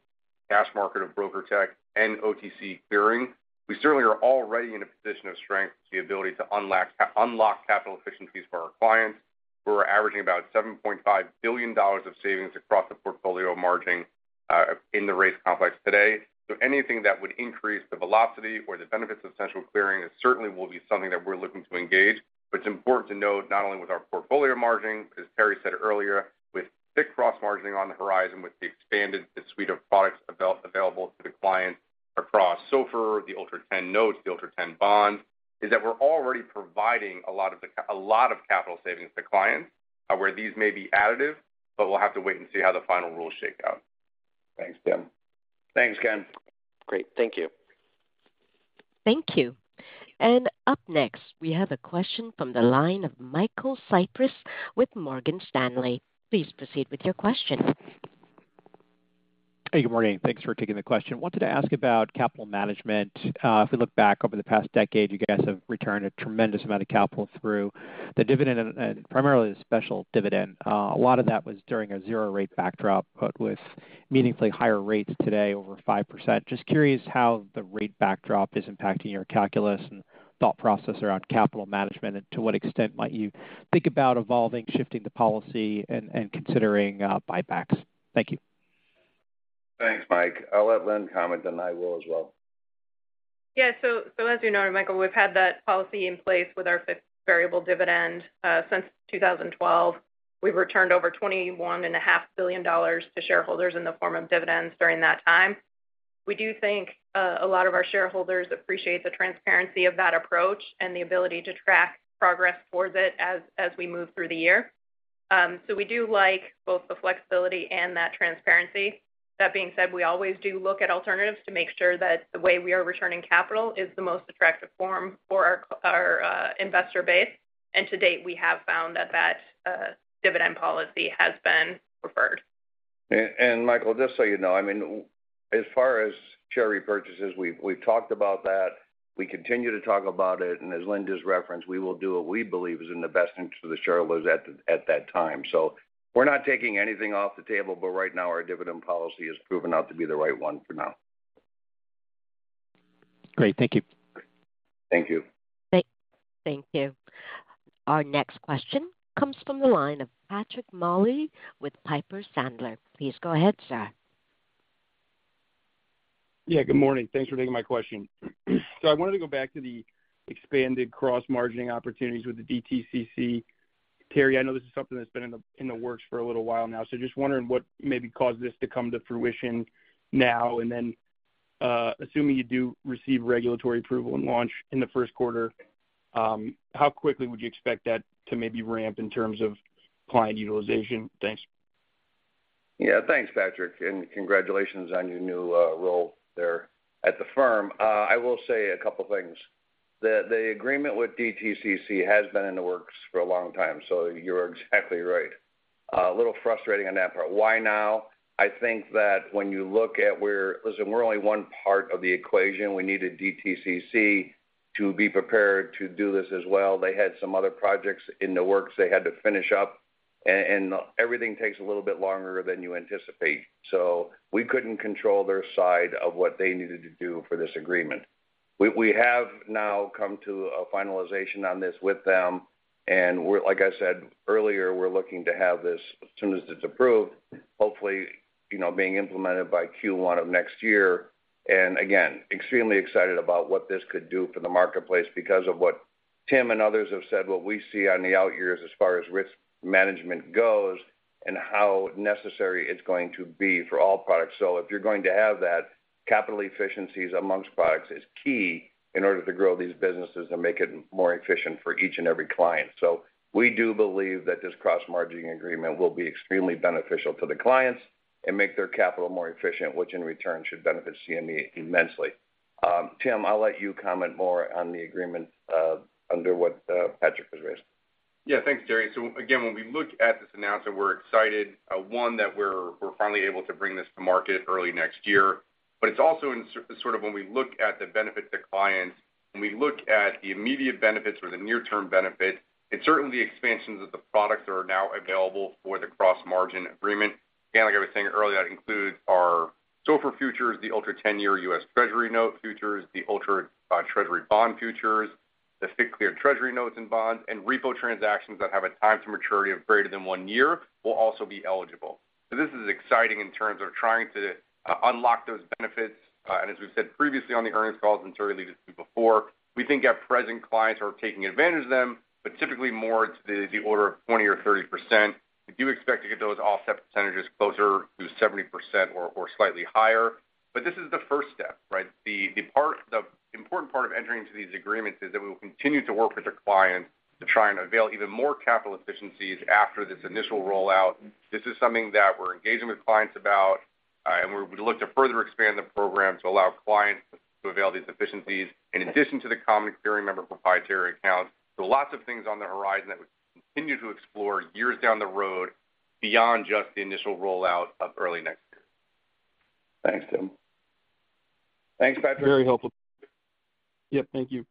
Speaker 5: cash market of BrokerTec and OTC clearing, we certainly are already in a position of strength with the ability to unlock capital efficiencies for our clients. We're averaging about $7.5 billion of savings across the portfolio of margining in the rates complex today. Anything that would increase the velocity or the benefits of central clearing, it certainly will be something that we're looking to engage. It's important to note, not only with our portfolio margining, as Terry said earlier, with FICC cross-margining on the horizon, with the expanded suite of products available to the clients across SOFR, the Ultra Ten notes, the Ultra Ten bonds, is that we're already providing a lot of capital savings to clients, where these may be additive, but we'll have to wait and see how the final rules shake out.
Speaker 3: Thanks, Tim. Thanks, Ken.
Speaker 17: Great. Thank you.
Speaker 1: Thank you. Up next, we have a question from the line of Michael Cyprys with Morgan Stanley. Please proceed with your question.
Speaker 18: Hey, good morning. Thanks for taking the question. I wanted to ask about capital management. If we look back over the past decade, you guys have returned a tremendous amount of capital through the dividend and primarily the special dividend. A lot of that was during a zero rate backdrop, but with meaningfully higher rates today, over 5%. Just curious how the rate backdrop is impacting your calculus and thought process around capital management, and to what extent might you think about evolving, shifting the policy and considering buybacks? Thank you.
Speaker 3: Thanks, Mike. I'll let Lynne comment, then I will as well.
Speaker 4: As you know, Michael, we've had that policy in place with our fixed variable dividend since 2012. We've returned over $21.5 billion to shareholders in the form of dividends during that time. We do think a lot of our shareholders appreciate the transparency of that approach and the ability to track progress towards it as we move through the year. We do like both the flexibility and that transparency. That being said, we always do look at alternatives to make sure that the way we are returning capital is the most attractive form for our investor base. To date, we have found that dividend policy has been preferred.
Speaker 3: Michael, just so you know, I mean, as far as share repurchases, we've talked about that. We continue to talk about it, and as Lynne's referenced, we will do what we believe is in the best interest of the shareholders at that time. We're not taking anything off the table. Right now, our dividend policy has proven out to be the right one for now.
Speaker 18: Great. Thank you.
Speaker 3: Thank you.
Speaker 1: Thank you. Our next question comes from the line of Patrick Moley with Piper Sandler. Please go ahead, sir.
Speaker 19: Yeah, good morning. Thanks for taking my question. I wanted to go back to the expanded cross-margining opportunities with the DTCC. Terry, I know this is something that's been in the works for a little while now, so just wondering what maybe caused this to come to fruition now and then, assuming you do receive regulatory approval and launch in the first quarter, how quickly would you expect that to maybe ramp in terms of client utilization? Thanks.
Speaker 3: Yeah. Thanks, Patrick. Congratulations on your new role there at the firm. I will say a couple things. The agreement with DTCC has been in the works for a long time, You're exactly right. A little frustrating on that part. Why now? I think that when you look at where. Listen, we're only one part of the equation. We needed DTCC to be prepared to do this as well. They had some other projects in the works they had to finish up, and everything takes a little bit longer than you anticipate. We couldn't control their side of what they needed to do for this agreement. We have now come to a finalization on this with them, and we're like I said earlier, we're looking to have this, as soon as it's approved, hopefully, you know, being implemented by Q1 of next year. Again, extremely excited about what this could do for the marketplace because of what Tim and others have said, what we see on the out years as far as risk management goes and how necessary it's going to be for all products. If you're going to have that, capital efficiencies amongst products is key in order to grow these businesses and make it more efficient for each and every client. We do believe that this cross-margining agreement will be extremely beneficial to the clients and make their capital more efficient, which in return, should benefit CME immensely. Tim, I'll let you comment more on the agreements, under what Patrick has raised.
Speaker 5: Thanks, Terry. Again, when we look at this announcement, we're excited, one, that we're finally able to bring this to market early next year. It's also in sort of when we look at the benefit to clients, when we look at the immediate benefits or the near-term benefits, and certainly the expansions of the products that are now available for the cross-margining agreement. Again, like I was saying earlier, that includes our SOFR futures, the Ultra 10-Year U.S. Treasury Note futures, the Ultra U.S. Treasury Bond futures, the FICC cleared Treasury notes and bonds, and repo transactions that have a time to maturity of greater than 1 year will also be eligible. This is exciting in terms of trying to unlock those benefits. As we've said previously on the earnings calls and certainly before, we think at present, clients are taking advantage of them, but typically more to the order of 20% or 30%. We do expect to get those offset percentages closer to 70% or slightly higher. This is the first step, right? The important part of entering into these agreements is that we will continue to work with the clients to try and avail even more capital efficiencies after this initial rollout. This is something that we're engaging with clients about, we look to further expand the program to allow clients to avail these efficiencies in addition to the common clearing member proprietary accounts. Lots of things on the horizon that we continue to explore years down the road, beyond just the initial rollout of early next year.
Speaker 3: Thanks, Tim. Thanks, Patrick.
Speaker 19: Very helpful. Yep, thank you.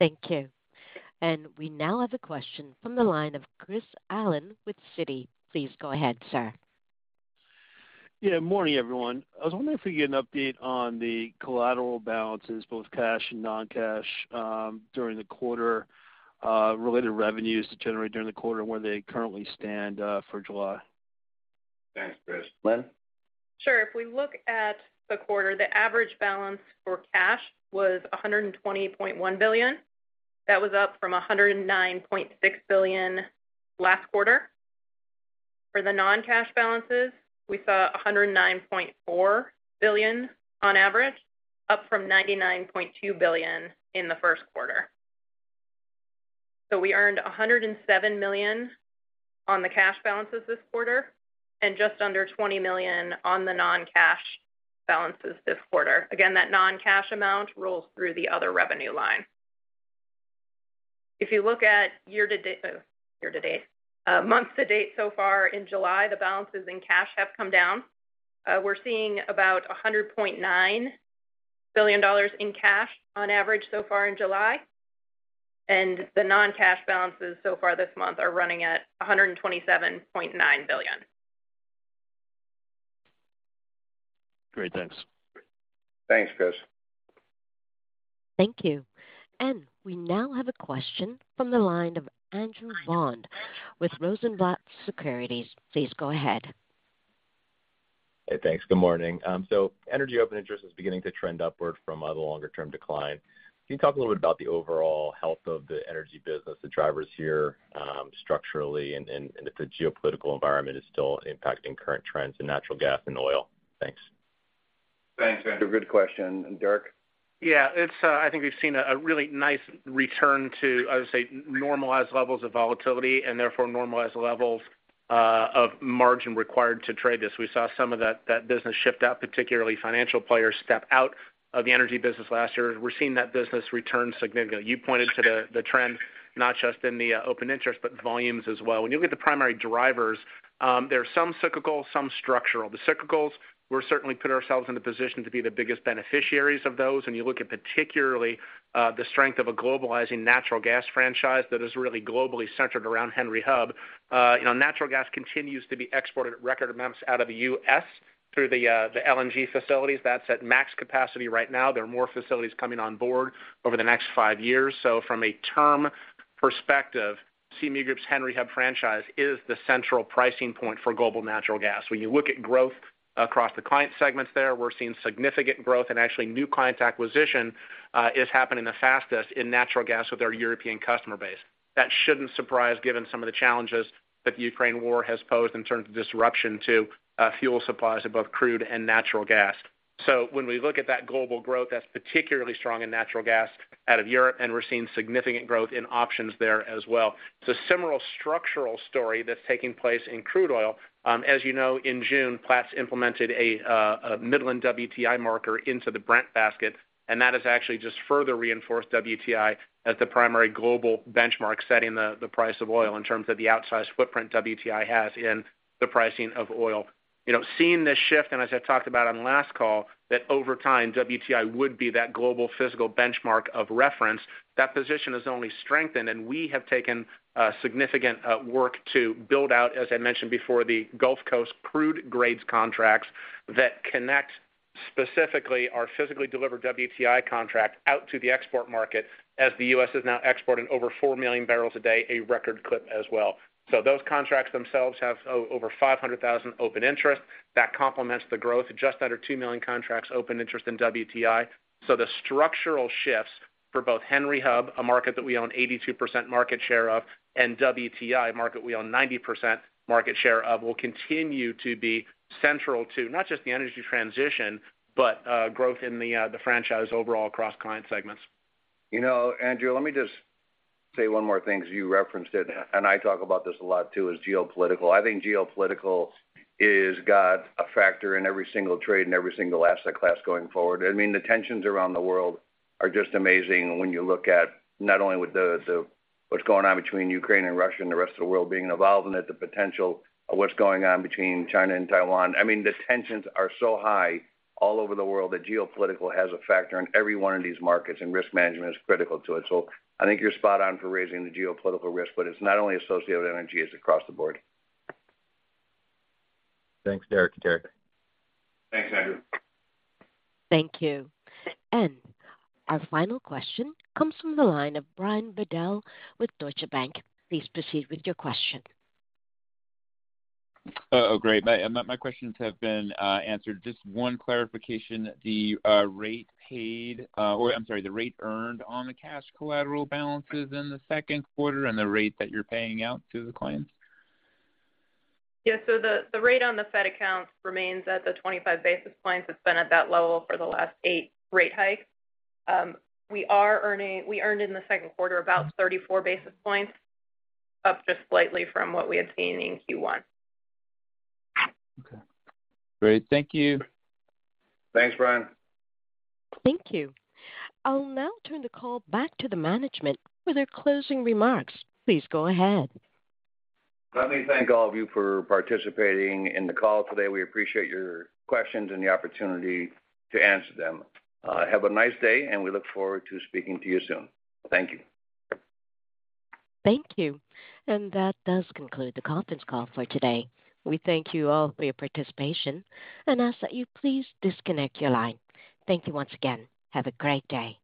Speaker 1: Thank you. We now have a question from the line of Chris Allen with Citi. Please go ahead, sir.
Speaker 20: Morning, everyone. I was wondering if we could get an update on the collateral balances, both cash and non-cash, during the quarter, related revenues to generate during the quarter and where they currently stand for July.
Speaker 3: Thanks, Chris. Lynne?
Speaker 4: Sure. If we look at the quarter, the average balance for cash was $120.1 billion. That was up from $109.6 billion last quarter. For the non-cash balances, we saw $109.4 billion on average, up from $99.2 billion in the first quarter. We earned $107 million on the cash balances this quarter and just under $20 million on the non-cash balances this quarter. Again, that non-cash amount rolls through the other revenue line. If you look at year to date, month to date, so far in July, the balances in cash have come down. We're seeing about $100.9 billion in cash on average so far in July. The non-cash balances so far this month are running at $127.9 billion.
Speaker 20: Great. Thanks.
Speaker 3: Thanks, Chris.
Speaker 1: Thank you. We now have a question from the line of Andrew Bond with Rosenblatt Securities. Please go ahead.
Speaker 21: Hey, thanks. Good morning. Energy open interest is beginning to trend upward from a longer-term decline. Can you talk a little bit about the overall health of the energy business, the drivers here, structurally, and if the geopolitical environment is still impacting current trends in natural gas and oil? Thanks.
Speaker 3: Thanks, Andrew. Good question. Derek?
Speaker 6: Yeah, it's, I think we've seen a really nice return to, I would say, normalized levels of volatility and therefore normalized levels of margin required to trade this. We saw some of that business shift out, particularly financial players step out of the energy business last year, and we're seeing that business return significantly. You pointed to the trend, not just in the open interest, but volumes as well. When you look at the primary drivers, there are some cyclical, some structural. The cyclicals, we're certainly put ourselves in a position to be the biggest beneficiaries of those. When you look at particularly the strength of a globalizing natural gas franchise that is really globally centered around Henry Hub. You know, natural gas continues to be exported at record amounts out of the U.S. through the LNG facilities. That's at max capacity right now. There are more facilities coming on board over the next five years. From a term perspective, CME Group's Henry Hub franchise is the central pricing point for global natural gas. When you look at growth across the client segments there, we're seeing significant growth, and actually, new client acquisition is happening the fastest in natural gas with our European customer base. That shouldn't surprise, given some of the challenges that the Ukraine war has posed in terms of disruption to fuel supplies in both crude and natural gas. When we look at that global growth, that's particularly strong in natural gas out of Europe, and we're seeing significant growth in options there as well. It's a similar structural story that's taking place in crude oil. As you know, in June, Platts implemented a Midland WTI marker into the Brent basket, and that has actually just further reinforced WTI as the primary global benchmark, setting the price of oil in terms of the outsized footprint WTI has in the pricing of oil. You know, seeing this shift, and as I talked about on last call, that over time, WTI would be that global physical benchmark of reference. That position has only strengthened, and we have taken significant work to build out, as I mentioned before, the Gulf Coast crude grades contracts that connect specifically our physically delivered WTI contract out to the export market as the U.S. is now exporting over 4 million barrels a day, a record clip as well. Those contracts themselves have over 500,000 open interest. That complements the growth, just under 2 million contracts open interest in WTI. The structural shifts for both Henry Hub, a market that we own 82% market share of, and WTI, a market we own 90% market share of, will continue to be central to not just the energy transition, but growth in the franchise overall across client segments.
Speaker 3: You know, Andrew, let me just say one more thing, because you referenced it, and I talk about this a lot, too, is geopolitical. I think geopolitical is got a factor in every single trade and every single asset class going forward. I mean, the tensions around the world are just amazing when you look at not only with the what's going on between Ukraine and Russia and the rest of the world being involved in it, the potential of what's going on between China and Taiwan. I mean, the tensions are so high all over the world that geopolitical has a factor in every one of these markets, and risk management is critical to it. I think you're spot on for raising the geopolitical risk, but it's not only associated with energy, it's across the board.
Speaker 21: Thanks, Derek and Derek.
Speaker 3: Thanks, Andrew.
Speaker 1: Thank you. Our final question comes from the line of Brian Bedell with Deutsche Bank. Please proceed with your question.
Speaker 14: Oh, great. My questions have been answered. Just one clarification: the rate paid, or I'm sorry, the rate earned on the cash collateral balances in the second quarter and the rate that you're paying out to the clients?
Speaker 4: The rate on the Fed accounts remains at the 25 basis points. It's been at that level for the last 8 rate hikes. We earned in the second quarter about 34 basis points, up just slightly from what we had seen in Q1.
Speaker 14: Okay, great. Thank you.
Speaker 3: Thanks, Brian.
Speaker 1: Thank you. I'll now turn the call back to the management for their closing remarks. Please go ahead.
Speaker 3: Let me thank all of you for participating in the call today. We appreciate your questions and the opportunity to answer them. Have a nice day, and we look forward to speaking to you soon. Thank you.
Speaker 1: Thank you. That does conclude the conference call for today. We thank you all for your participation and ask that you please disconnect your line. Thank you once again. Have a great day.